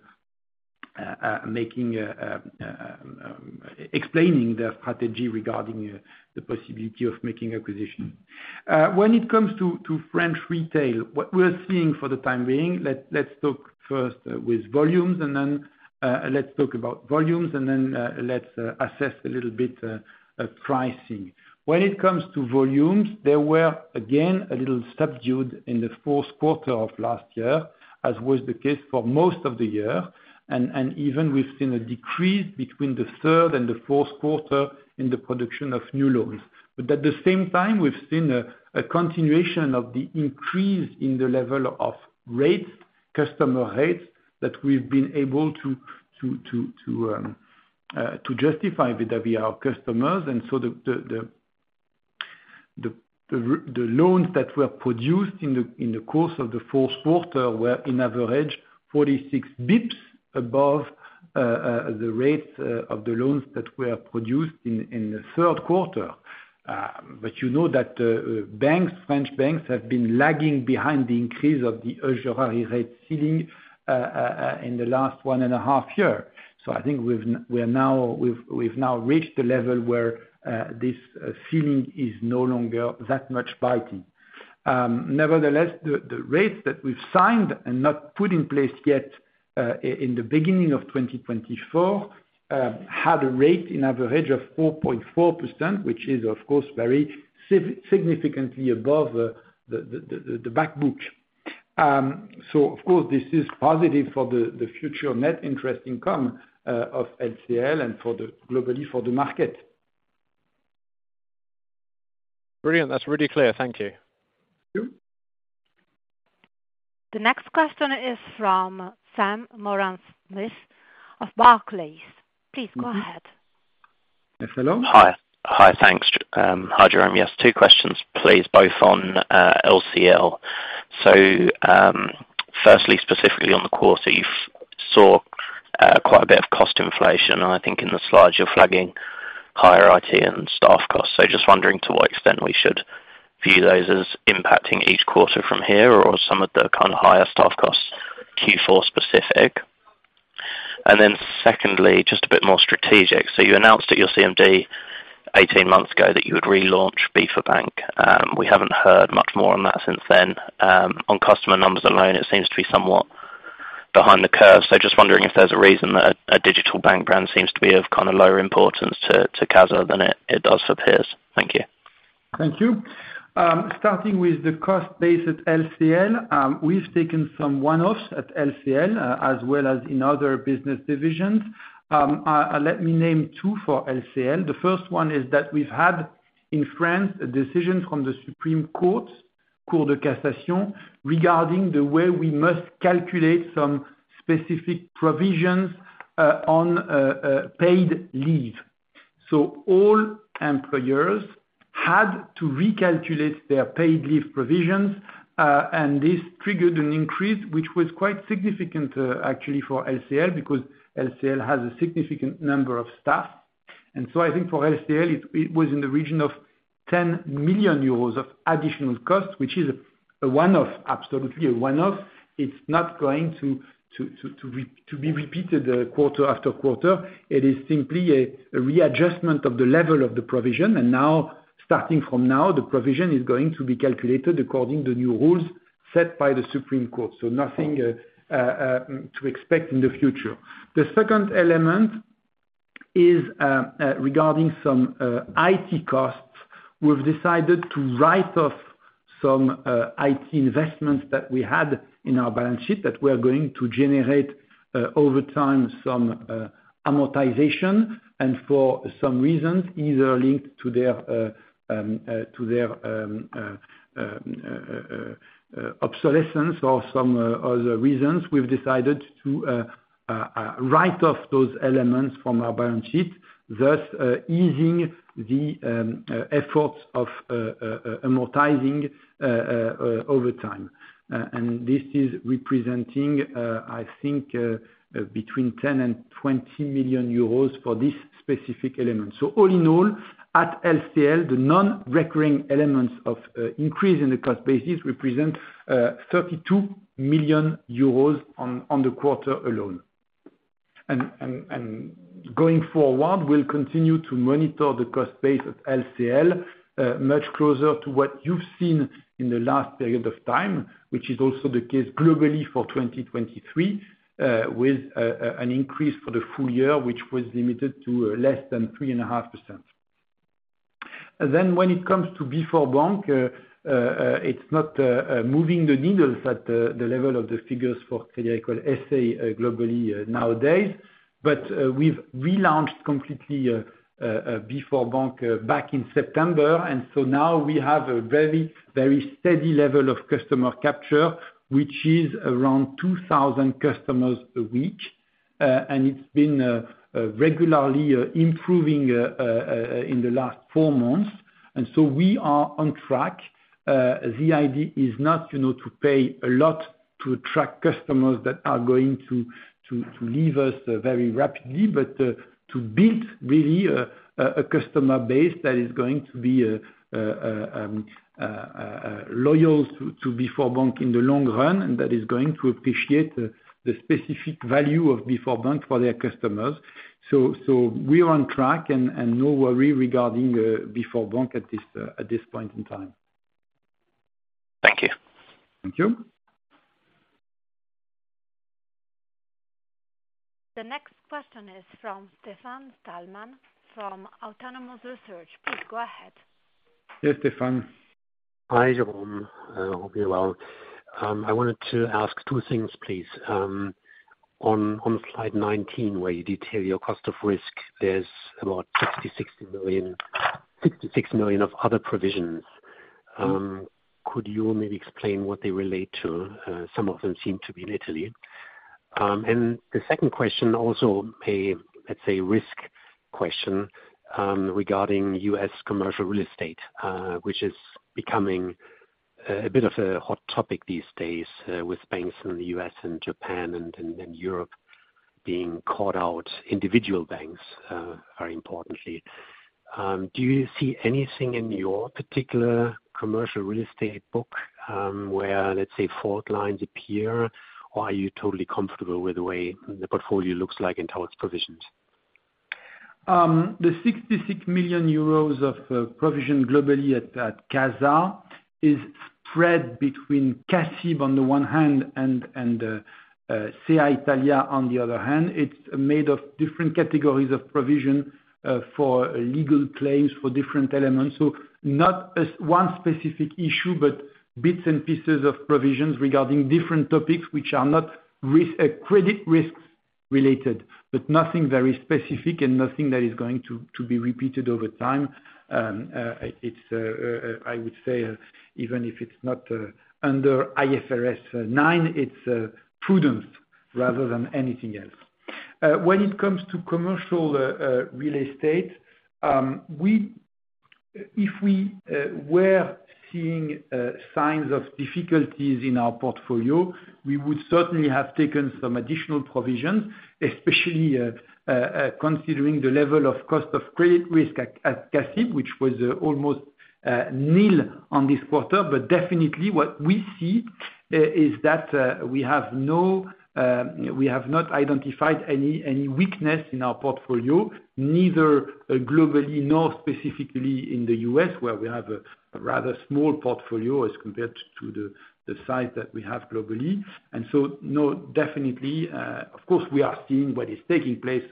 B: making explaining their strategy regarding the possibility of making acquisition. When it comes to French Retail, what we're seeing for the time being, let's talk first with volumes, and then, let's talk about volumes, and then, let's assess a little bit pricing. When it comes to volumes, they were again a little subdued in the fourth quarter of last year, as was the case for most of the year. And even we've seen a decrease between the third and the fourth quarter in the production of new loans. But at the same time, we've seen a continuation of the increase in the level of rates, customer rates, that we've been able to justify with our customers. So the loans that were produced in the course of the fourth quarter were, on average, 46 bps above the rates of the loans that were produced in the third quarter. But you know that banks, French banks, have been lagging behind the increase of the usury rate ceiling in the last one and a half year. So I think we've now reached a level where this ceiling is no longer that much biting. Nevertheless, the rates that we've signed and not put in place yet in the beginning of 2024 had a rate on average of 4.4%, which is, of course, very significantly above the back book. Of course, this is positive for the future net interest income of LCL and, globally, for the market....
H: Brilliant, that's really clear. Thank you.
B: Thank you.
A: The next question is from Sam Smith of Barclays. Please go ahead.
B: Yes, hello.
I: Hi. Hi, thanks. Hi, Jérôme. Yes, two questions, please, both on LCL. So, firstly, specifically on the quarter, you've saw quite a bit of cost inflation, and I think in the slides you're flagging higher IT and staff costs. So just wondering to what extent we should view those as impacting each quarter from here, or some of the kind of higher staff costs Q4 specific? And then secondly, just a bit more strategic. So you announced at your CMD eighteen months ago that you would relaunch BforBank. We haven't heard much more on that since then. On customer numbers alone, it seems to be somewhat behind the curve, so just wondering if there's a reason that a digital bank brand seems to be of kind of lower importance to Casa than it does for peers. Thank you.
B: Thank you. Starting with the cost base at LCL, we've taken some one-offs at LCL, as well as in other business divisions. Let me name two for LCL. The first one is that we've had, in France, a decision from the Supreme Court, Cour de Cassation, regarding the way we must calculate some specific provisions, on paid leave. So all employers had to recalculate their paid leave provisions, and this triggered an increase, which was quite significant, actually for LCL, because LCL has a significant number of staff. And so I think for LCL, it was in the region of 10 million euros of additional costs, which is a one-off, absolutely a one-off. It's not going to be repeated, quarter after quarter. It is simply a readjustment of the level of the provision, and now, starting from now, the provision is going to be calculated according to new rules set by the Supreme Court, so nothing to expect in the future. The second element is regarding some IT costs. We've decided to write off some IT investments that we had in our balance sheet, that we are going to generate over time some amortization. For some reasons, either linked to their obsolescence or some other reasons, we've decided to write off those elements from our balance sheet, thus easing the efforts of amortizing over time. And this is representing, I think, between 10 million and 20 million euros for this specific element. So all in all, at LCL, the non-recurring elements of increase in the cost basis represent 32 million euros on the quarter alone. And going forward, we'll continue to monitor the cost base at LCL much closer to what you've seen in the last period of time, which is also the case globally for 2023 with an increase for the full year, which was limited to less than 3.5%. Then when it comes to BforBank, it's not moving the needles at the level of the figures for Crédit Agricole S.A. globally nowadays. But, we've relaunched completely, BforBank, back in September, and so now we have a very, very steady level of customer capture, which is around 2,000 customers a week. And it's been regularly improving in the last four months, and so we are on track. The idea is not, you know, to pay a lot to attract customers that are going to leave us very rapidly, but to build really a customer base that is going to be loyal to BforBank in the long run, and that is going to appreciate the specific value of BforBank for their customers. So we are on track, and no worry regarding BforBank at this point in time.
I: Thank you.
B: Thank you.
A: The next question is from Stefan Stalmann, from Autonomous Research. Please go ahead.
B: Yes, Stefan.
J: Hi, Jérôme. Hope you're well. I wanted to ask two things, please. On slide 19, where you detail your cost of risk, there's about 66 million, 66 million of other provisions. Could you maybe explain what they relate to? Some of them seem to be in Italy. And the second question, also a, let's say, risk question, regarding US commercial real estate, which is becoming a bit of a hot topic these days, with banks in the US and Japan and Europe being caught out, individual banks, very importantly. Do you see anything in your particular commercial real estate book, where, let's say, fault lines appear? Or are you totally comfortable with the way the portfolio looks like and how it's provisioned?
B: The 66 million euros of provision globally at CASA is spread between CIB on the one hand, and Crédit Agricole Italia on the other hand. It's made of different categories of provision for legal claims, for different elements. So not one specific issue, but bits and pieces of provisions regarding different topics which are not risk, credit risks-related, but nothing very specific and nothing that is going to be repeated over time. It's, I would say, even if it's not under IFRS 9, it's prudence rather than anything else. When it comes to commercial real estate, if we were seeing signs of difficulties in our portfolio, we would certainly have taken some additional provisions, especially considering the level of cost of credit risk at CACEIS, which was almost nil on this quarter. But definitely what we see is that we have not identified any weakness in our portfolio, neither globally nor specifically in the U.S., where we have a rather small portfolio as compared to the size that we have globally. And so, no, definitely, of course, we are seeing what is taking place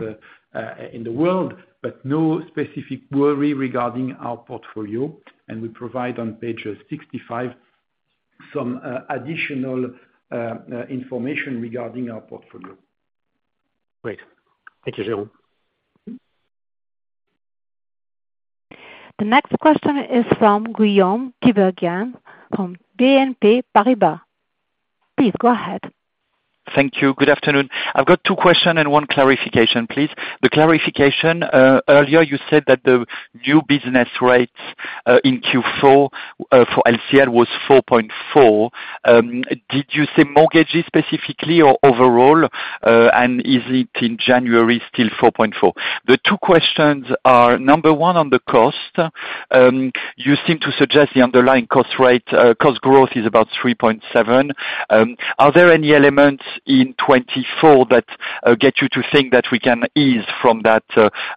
B: in the world, but no specific worry regarding our portfolio, and we provide on page 65 some additional information regarding our portfolio.
J: Great. Thank you, Jérôme.
A: The next question is from Guillaume Tiberghien, from BNP Paribas. Please go ahead.
K: Thank you. Good afternoon. I've got two questions and one clarification, please. The clarification, earlier you said that the new business rates in Q4 for LCL was 4.4. Did you say mortgages specifically or overall? And is it in January still 4.4? The two questions are, number one, on the cost. You seem to suggest the underlying cost rate, cost growth is about 3.7. Are there any elements in 2024 that get you to think that we can ease from that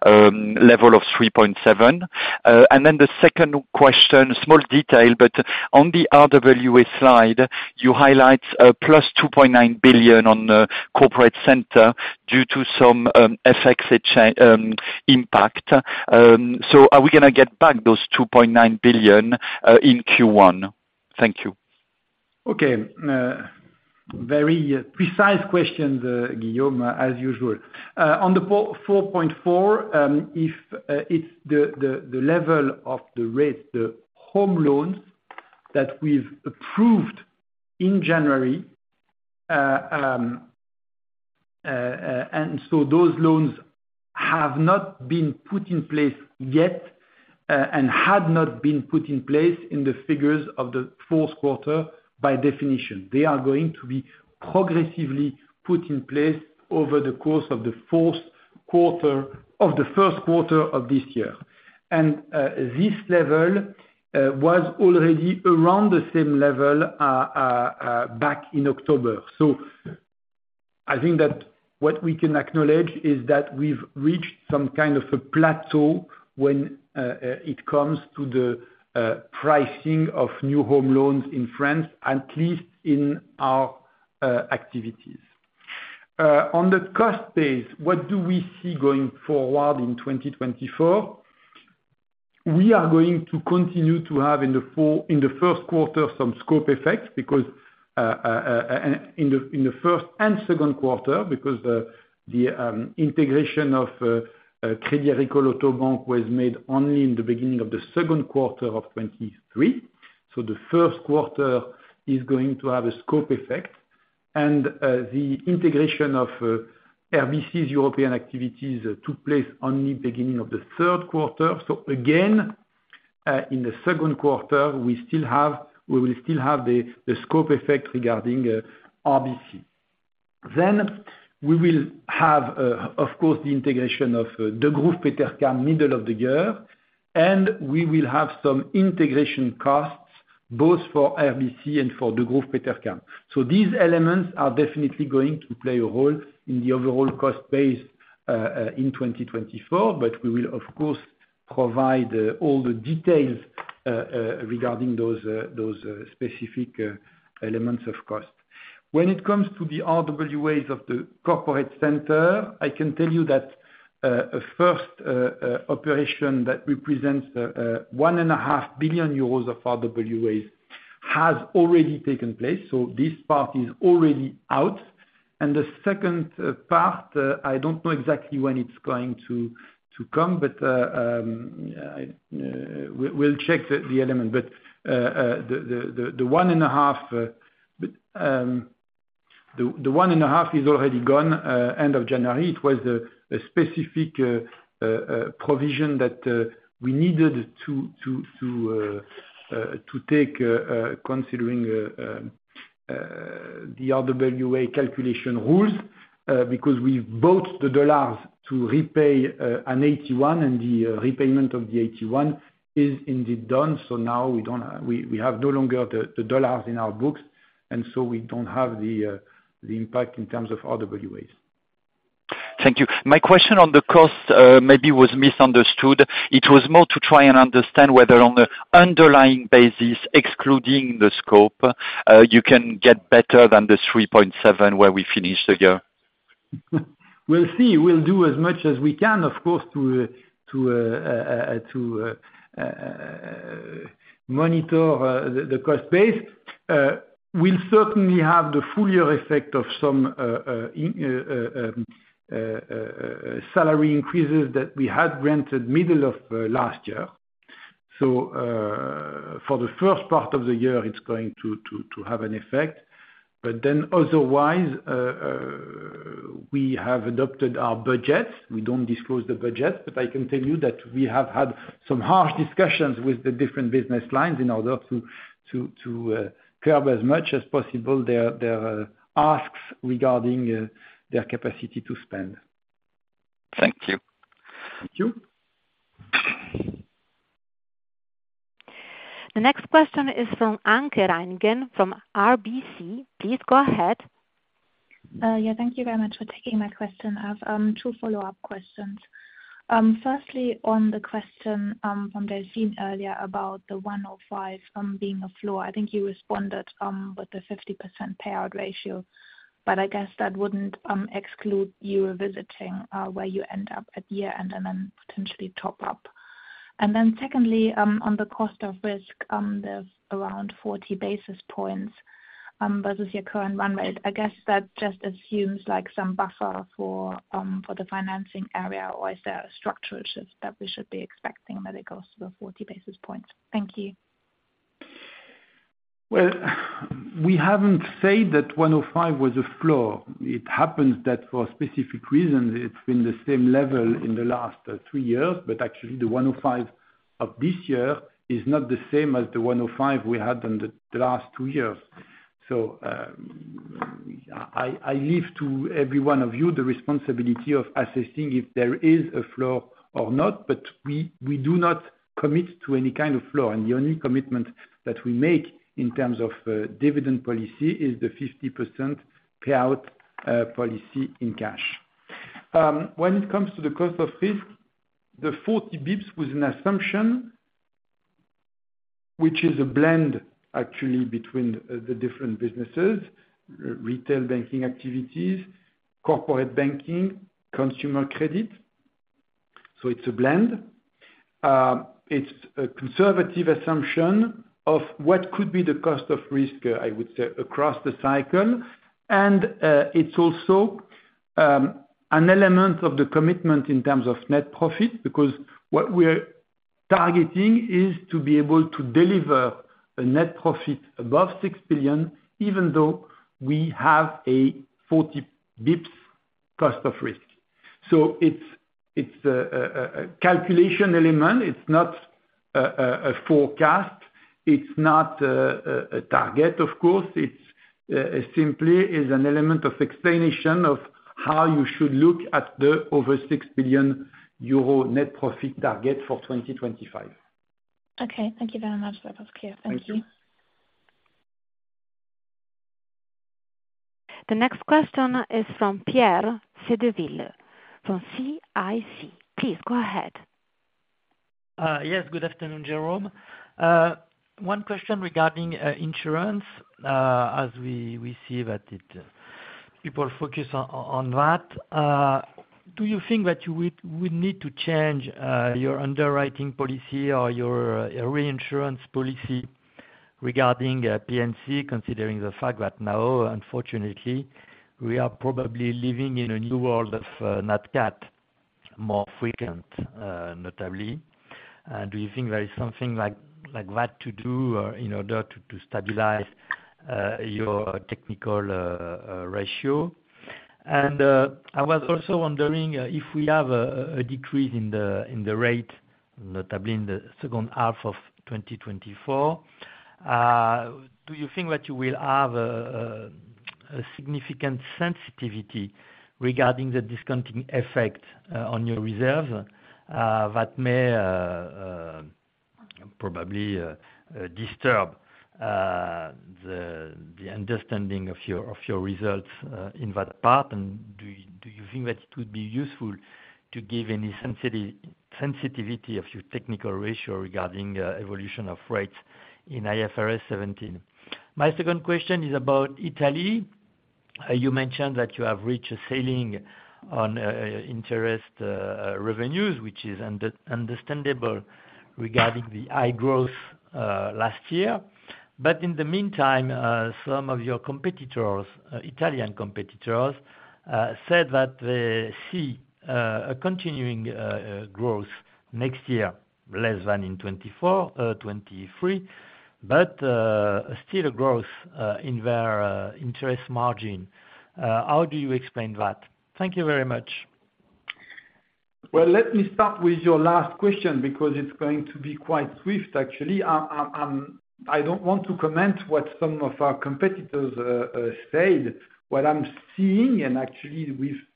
K: level of 3.7? And then the second question, small detail, but on the RWA slide, you highlight +2.9 billion on the corporate center due to some FX change impact. So are we gonna get back those 2.9 billion in Q1? Thank you.
B: Okay. Very precise questions, Guillaume, as usual. On the 4.4, if it's the level of the rate, the home loans that we've approved in January, and so those loans have not been put in place yet, and had not been put in place in the figures of the fourth quarter, by definition. They are going to be progressively put in place over the course of the first quarter of this year. This level was already around the same level back in October. So I think that what we can acknowledge is that we've reached some kind of a plateau when it comes to the pricing of new home loans in France, at least in our activities. On the cost base, what do we see going forward in 2024? We are going to continue to have in the first quarter some scope effects, because in the first and second quarter, because the integration of Crédit Agricole Auto Bank was made only in the beginning of the second quarter of 2023. So the first quarter is going to have a scope effect. The integration of RBC's European activities took place only beginning of the third quarter. So again, in the second quarter, we will still have the scope effect regarding RBC. Then we will have, of course, the integration of the Degroof Petercam middle of the year, and we will have some integration costs both for RBC and for the Degroof Petercam. So these elements are definitely going to play a role in the overall cost base in 2024, but we will, of course, provide all the details regarding those, those specific elements of cost. When it comes to the RWAs of the corporate center, I can tell you that a first operation that represents 1.5 billion euros of RWAs has already taken place, so this part is already out. And the second part, I don't know exactly when it's going to come, but we'll check the element. But the 1.5 is already gone end of January. It was a specific provision that we needed to take considering the RWA calculation rules because we bought the dollars to repay an AT1, and the repayment of the AT1 is indeed done. So now we have no longer the dollars in our books, and so we don't have the impact in terms of RWAs.
K: Thank you. My question on the cost, maybe was misunderstood. It was more to try and understand whether on the underlying basis, excluding the scope, you can get better than the 3.7 where we finished the year?
B: We'll see. We'll do as much as we can, of course, to monitor the cost base. We'll certainly have the full year effect of some salary increases that we had granted middle of last year. So, for the first part of the year, it's going to have an effect. But then otherwise, we have adopted our budget. We don't disclose the budget, but I can tell you that we have had some harsh discussions with the different business lines in order to curb as much as possible their asks regarding their capacity to spend.
K: Thank you.
B: Thank you.
A: The next question is from Anke Reingen, from RBC. Please go ahead.
L: Yeah, thank you very much for taking my question. I have two follow-up questions. Firstly, on the question from Justine earlier about the 105 being a floor, I think you responded with the 50% payout ratio, but I guess that wouldn't exclude you revisiting where you end up at year-end, and then potentially top up. And then secondly, on the cost of risk, there's around 40 basis points versus your current run rate. I guess that just assumes, like, some buffer for the financing area, or is there a structural shift that we should be expecting, that it goes to the 40 basis points? Thank you.
B: Well, we haven't said that 105 was a floor. It happens that for specific reasons, it's been the same level in the last 3 years, but actually the 105 of this year is not the same as the 105 we had in the last 2 years. So, I leave to every one of you the responsibility of assessing if there is a floor or not, but we do not commit to any kind of floor. The only commitment that we make in terms of dividend policy is the 50% payout policy in cash. When it comes to the cost of risk, the 40 basis points was an assumption, which is a blend actually between the different businesses, retail banking activities, corporate banking, consumer credit, so it's a blend. It's a conservative assumption of what could be the cost of risk, I would say, across the cycle, and it's also an element of the commitment in terms of net profit, because what we're targeting is to be able to deliver a net profit above 6 billion, even though we have a 40 bps cost of risk. So it's a calculation element, it's not a forecast, it's not a target of course, it's simply an element of explanation of how you should look at the over 6 billion euro net profit target for 2025.
L: Okay, thank you very much. That was clear. Thank you.
B: Thank you.
A: The next question is from Pierre Chedeville, from CIC. Please go ahead.
M: Yes, good afternoon, Jérôme. One question regarding insurance. As we see that people focus on that. Do you think that you would need to change your underwriting policy or your reinsurance policy regarding P&C, considering the fact that now, unfortunately, we are probably living in a new world of Nat Cat, more frequent, notably? And do you think there is something like that to do, or in order to stabilize your technical ratio? I was also wondering if we have a decrease in the rate, notably in the second half of 2024, do you think that you will have a significant sensitivity regarding the discounting effect on your reserve that may probably disturb the understanding of your results in that part? And do you think that it would be useful to give any sensitivity of your technical ratio regarding evolution of rates in IFRS 17? My second question is about Italy. You mentioned that you have reached a ceiling on interest revenues, which is understandable regarding the high growth last year. But in the meantime, some of your competitors, Italian competitors, said that they see a continuing growth next year, less than in 2024, 2023, but still a growth in their interest margin. How do you explain that? Thank you very much.
B: Well, let me start with your last question, because it's going to be quite swift, actually. I don't want to comment what some of our competitors said. What I'm seeing, and actually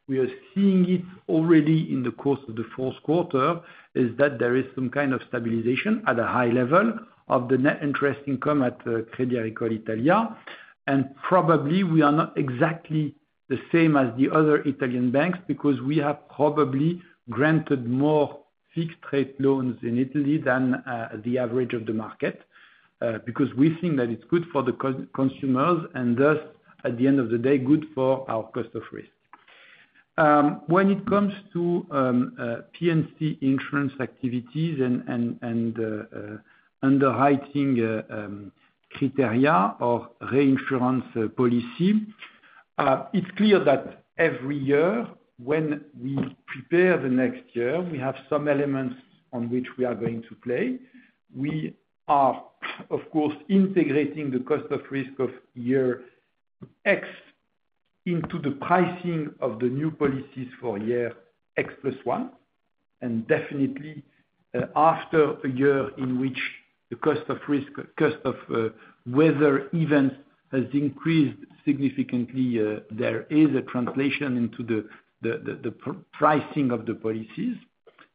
B: we are seeing it already in the course of the fourth quarter, is that there is some kind of stabilization at a high level of the net interest income at Crédit Agricole Italia. And probably we are not exactly the same as the other Italian banks, because we have probably granted more fixed rate loans in Italy than the average of the market, because we think that it's good for the consumers, and thus, at the end of the day, good for our cost of risk. When it comes to P&C insurance activities and underwriting criteria or reinsurance policy, it's clear that every year when we prepare the next year, we have some elements on which we are going to play. We are, of course, integrating the cost of risk of year X into the pricing of the new policies for year X plus one, and definitely, after a year in which the cost of risk, cost of weather events has increased significantly, there is a translation into the pricing of the policies.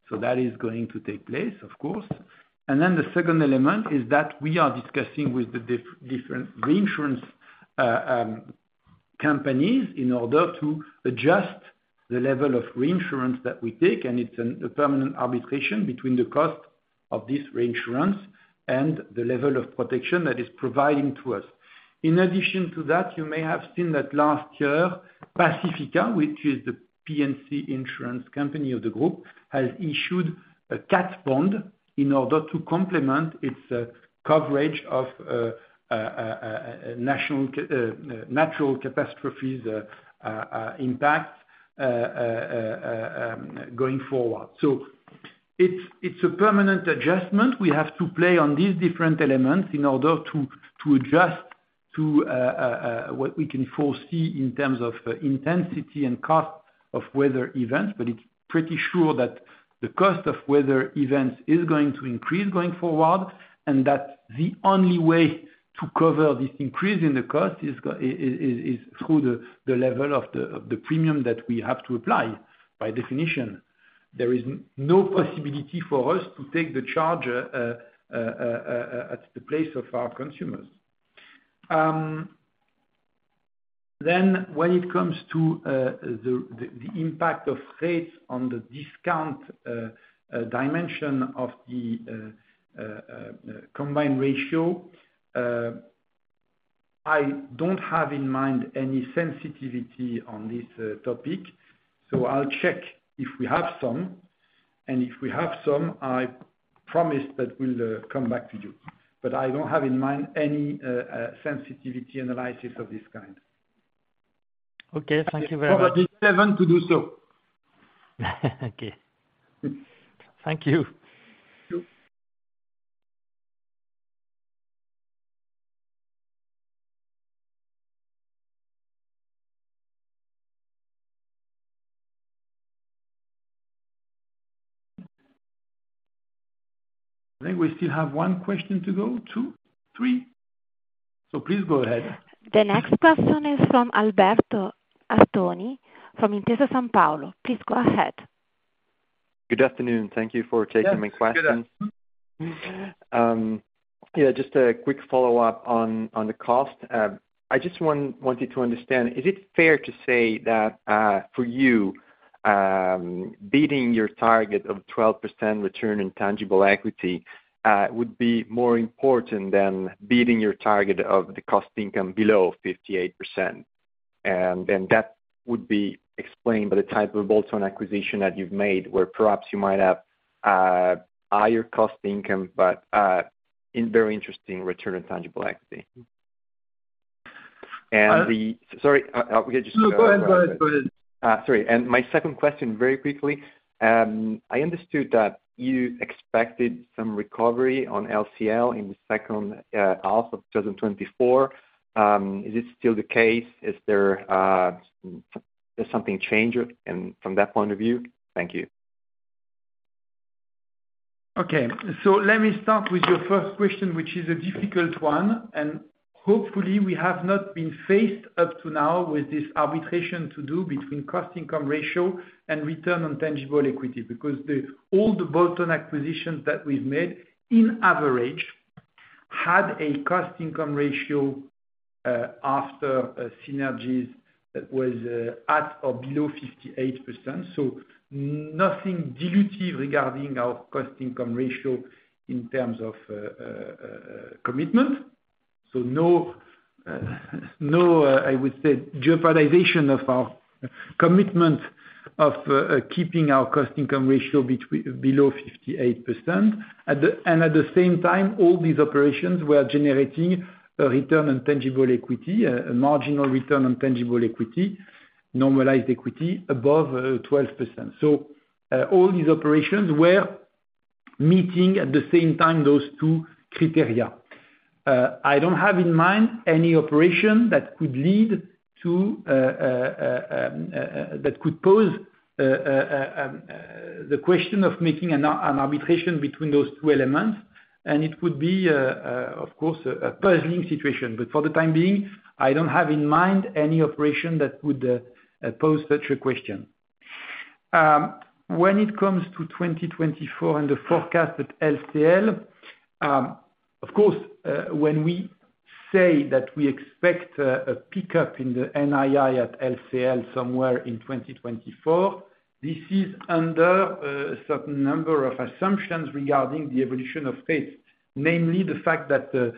B: So that is going to take place, of course. Then the second element is that we are discussing with the different reinsurance companies in order to adjust the level of reinsurance that we take, and it's a permanent arbitration between the cost of this reinsurance and the level of protection that it's providing to us. In addition to that, you may have seen that last year, Pacifica, which is the P&C insurance company of the group, has issued a Cat Bond in order to complement its coverage of natural catastrophes impact going forward. So it's a permanent adjustment. We have to play on these different elements in order to adjust to what we can foresee in terms of intensity and cost of weather events. But it's pretty sure that the cost of weather events is going to increase going forward, and that the only way to cover this increase in the cost is through the level of the premium that we have to apply, by definition. There is no possibility for us to take the charge at the place of our consumers. Then when it comes to the impact of rates on the discount combined ratio, I don't have in mind any sensitivity on this topic, so I'll check if we have some, and if we have some, I promise that we'll come back to you. But I don't have in mind any sensitivity analysis of this kind.
M: Okay, thank you very much.
B: I'll be seven to do so.
M: Okay. Thank you.
B: Sure. I think we still have 1 question to go, 2, 3? So please go ahead.
A: The next question is from Alberto Artoni, from Intesa Sanpaolo. Please go ahead.
N: Good afternoon. Thank you for taking my question.
B: Yeah, good afternoon.
N: Yeah, just a quick follow-up on the cost. I just wanted to understand, is it fair to say that for you, beating your target of 12% return in tangible equity would be more important than beating your target of the cost income below 58%? And then that would be explained by the type of bolt-on acquisition that you've made, where perhaps you might have higher cost income, but in very interesting return on tangible equity. And the-
B: I-
N: Sorry, we just-
B: No, go ahead. Go ahead. Go ahead.
N: Sorry, my second question, very quickly, I understood that you expected some recovery on LCL in the second half of 2024. Is this still the case? Is there, has something changed and from that point of view? Thank you.
B: Okay. So let me start with your first question, which is a difficult one, and hopefully we have not been faced up to now with this arbitration to do between cost-income ratio and return on tangible equity. Because all the bolt-on acquisitions that we've made, in average, had a cost-income ratio after synergies that was at or below 58%. So nothing dilutive regarding our cost-income ratio in terms of commitment. So no, I would say jeopardization of our commitment of keeping our cost-income ratio between, below 58%. And at the same time, all these operations were generating a return on tangible equity, a marginal return on tangible equity, normalized equity above 12%. So all these operations were meeting, at the same time, those two criteria. I don't have in mind any operation that could pose the question of making an arbitration between those two elements, and it would be, of course, a puzzling situation. But for the time being, I don't have in mind any operation that would pose such a question. When it comes to 2024 and the forecast at LCL, of course, when we say that we expect a pickup in the NII at LCL somewhere in 2024. This is under a certain number of assumptions regarding the evolution of rates, namely the fact that the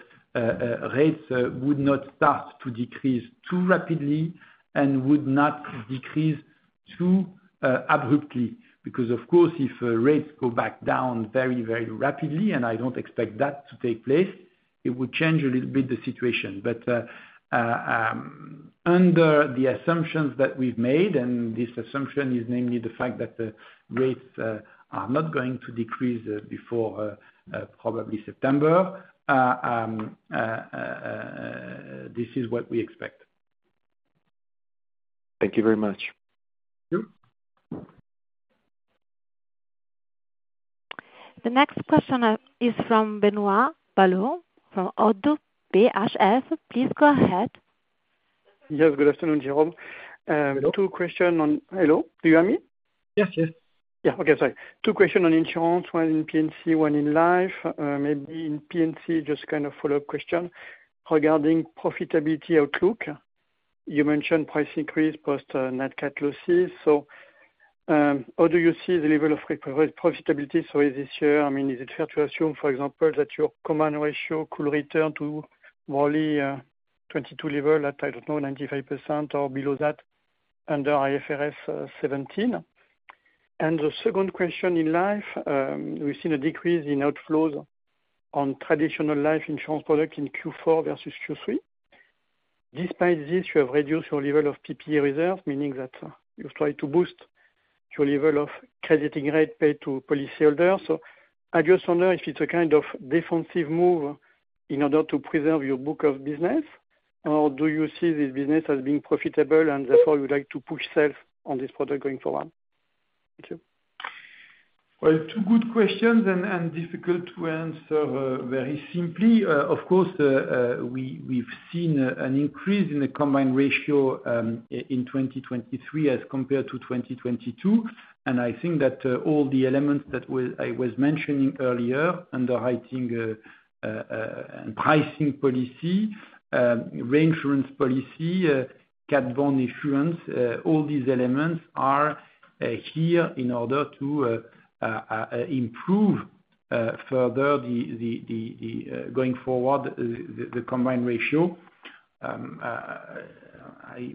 B: rates would not start to decrease too rapidly and would not decrease too abruptly. Because of course, if rates go back down very, very rapidly, and I don't expect that to take place, it would change a little bit the situation. But under the assumptions that we've made, and this assumption is namely the fact that the rates are not going to decrease probably September. This is what we expect.
N: Thank you very much.
B: Thank you.
A: The next question is from Benoit Valleaux, from ODDO BHF. Please go ahead.
O: Yes, good afternoon, Jérôme.
B: Hello?
O: Hello, do you hear me?
B: Yes, yes.
O: Yeah. Okay, sorry. Two questions on insurance, one in P&C, one in Life. Maybe in P&C, just kind of follow-up question regarding profitability outlook. You mentioned price increase plus net cat losses, so how do you see the level of profitability? So is this year, I mean, is it fair to assume, for example, that your combined ratio could return to more 2022 level, at, I don't know, 95% or below that under IFRS 17? And the second question in Life, we've seen a decrease in outflows on traditional life insurance product in Q4 versus Q3. Despite this, you have reduced your level of PPE reserves, meaning that you've tried to boost your level of crediting rate paid to policyholders. I just wonder if it's a kind of defensive move in order to preserve your book of business, or do you see this business as being profitable, and therefore you would like to push sales on this product going forward? Thank you.
B: Well, two good questions, and difficult to answer very simply. Of course, we've seen an increase in the Combined Ratio in 2023 as compared to 2022, and I think that all the elements I was mentioning earlier, underwriting and pricing policy, reinsurance policy, Cat Bond insurance, all these elements are here in order to improve further, going forward, the Combined Ratio.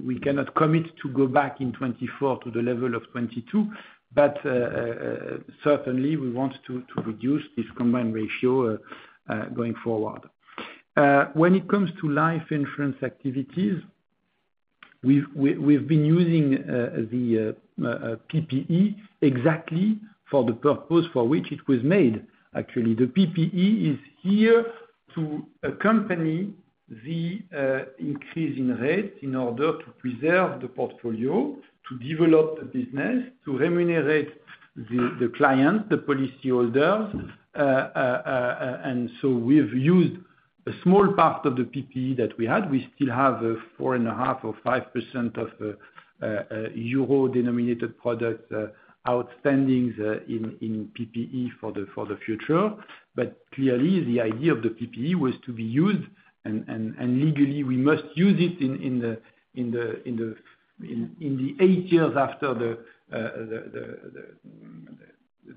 B: We cannot commit to go back in 2024 to the level of 2022, but certainly we want to reduce this Combined Ratio going forward. When it comes to life insurance activities, we've been using the PPE exactly for the purpose for which it was made. Actually, the PPE is here to accompany the increase in rates in order to preserve the portfolio, to develop the business, to remunerate the client, the policyholders. And so we've used a small part of the PPE that we had. We still have 4.5% or 5% of the euro-denominated products outstandings in PPE for the future. But clearly, the idea of the PPE was to be used, and legally we must use it in the eight years after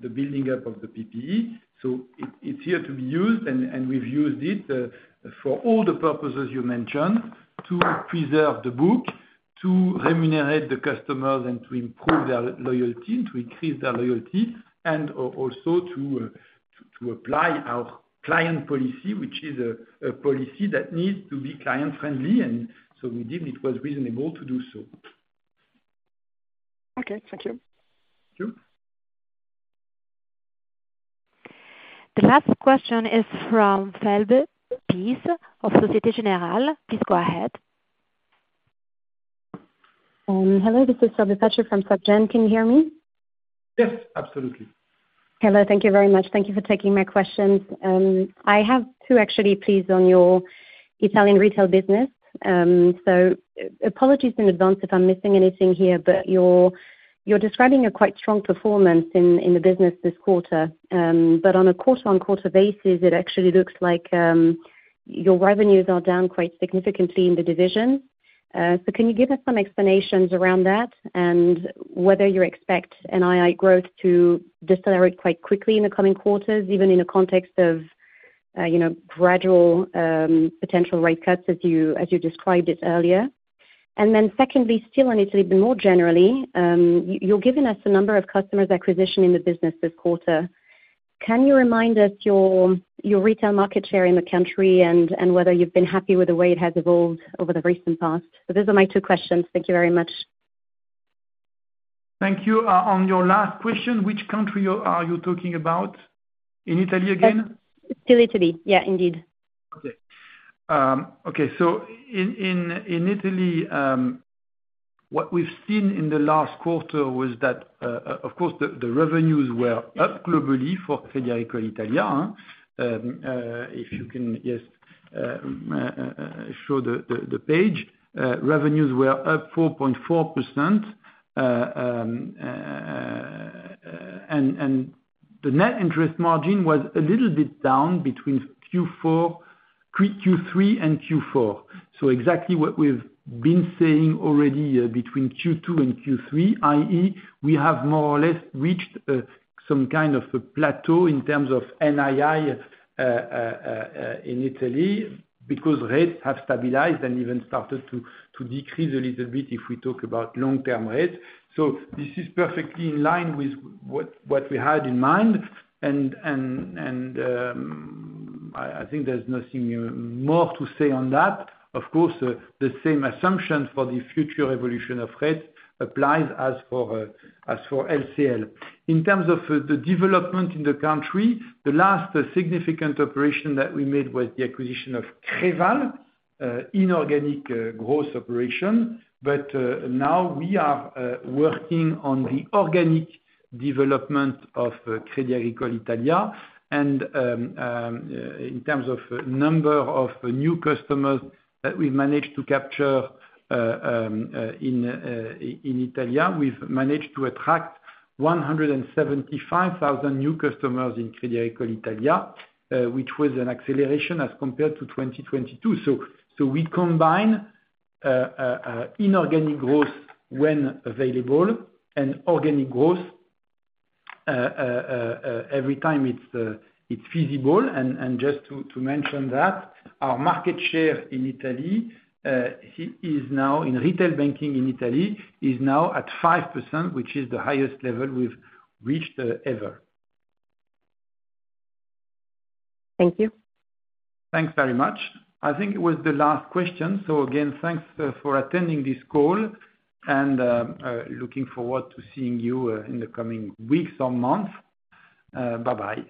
B: the building up of the PPE. So it's here to be used, and we've used it for all the purposes you mentioned, to preserve the book, to remunerate the customers, and to improve their loyalty, to increase their loyalty, and also to apply our client policy, which is a policy that needs to be client-friendly, and so we did. It was reasonable to do so.
O: Okay, thank you.
B: Thank you.
A: The last question is from Flora Benhakoun of Société Générale. Please go ahead.
P: Hello, this is [inaudible] from Société Générale. Can you hear me?
B: Yes, absolutely.
P: Hello, thank you very much. Thank you for taking my questions. I have two actually, please, on your Italian retail business. So apologies in advance if I'm missing anything here, but you're describing a quite strong performance in the business this quarter. But on a quarter-on-quarter basis, it actually looks like your revenues are down quite significantly in the division. So can you give us some explanations around that, and whether you expect NII growth to decelerate quite quickly in the coming quarters, even in the context of you know, gradual potential rate cuts as you described it earlier? And then secondly, still on Italy, but more generally, you're giving us a number of customers acquisition in the business this quarter. Can you remind us your retail market share in the country, and whether you've been happy with the way it has evolved over the recent past? So those are my two questions. Thank you very much.
B: Thank you. On your last question, which country are you talking about? In Italy again?
P: Still Italy. Yeah, indeed.
B: Okay, so in Italy, what we've seen in the last quarter was that, of course the revenues were up globally for Crédit Agricole Italia. If you can just show the page. Revenues were up 4.4%, and the net interest margin was a little bit down between Q3 and Q4. So exactly what we've been saying already, between Q2 and Q3, i.e., we have more or less reached some kind of a plateau in terms of NII in Italy, because rates have stabilized and even started to decrease a little bit, if we talk about long-term rates. So this is perfectly in line with what we had in mind, and I think there's nothing more to say on that. Of course, the same assumptions for the future evolution of rates applies as for LCL. In terms of the development in the country, the last significant operation that we made was the acquisition of Creval, inorganic growth operation. But now we are working on the organic development of Crédit Agricole Italia, and in terms of number of new customers that we've managed to capture, in Italia, we've managed to attract 175,000 new customers in Crédit Agricole Italia, which was an acceleration as compared to 2022. So we combine inorganic growth when available, and organic growth every time it's feasible. And just to mention that our market share in Italy in retail banking in Italy is now at 5%, which is the highest level we've reached ever.
I: Thank you.
B: Thanks very much. I think it was the last question. So again, thanks for attending this call, and looking forward to seeing you in the coming weeks or months. Bye-bye.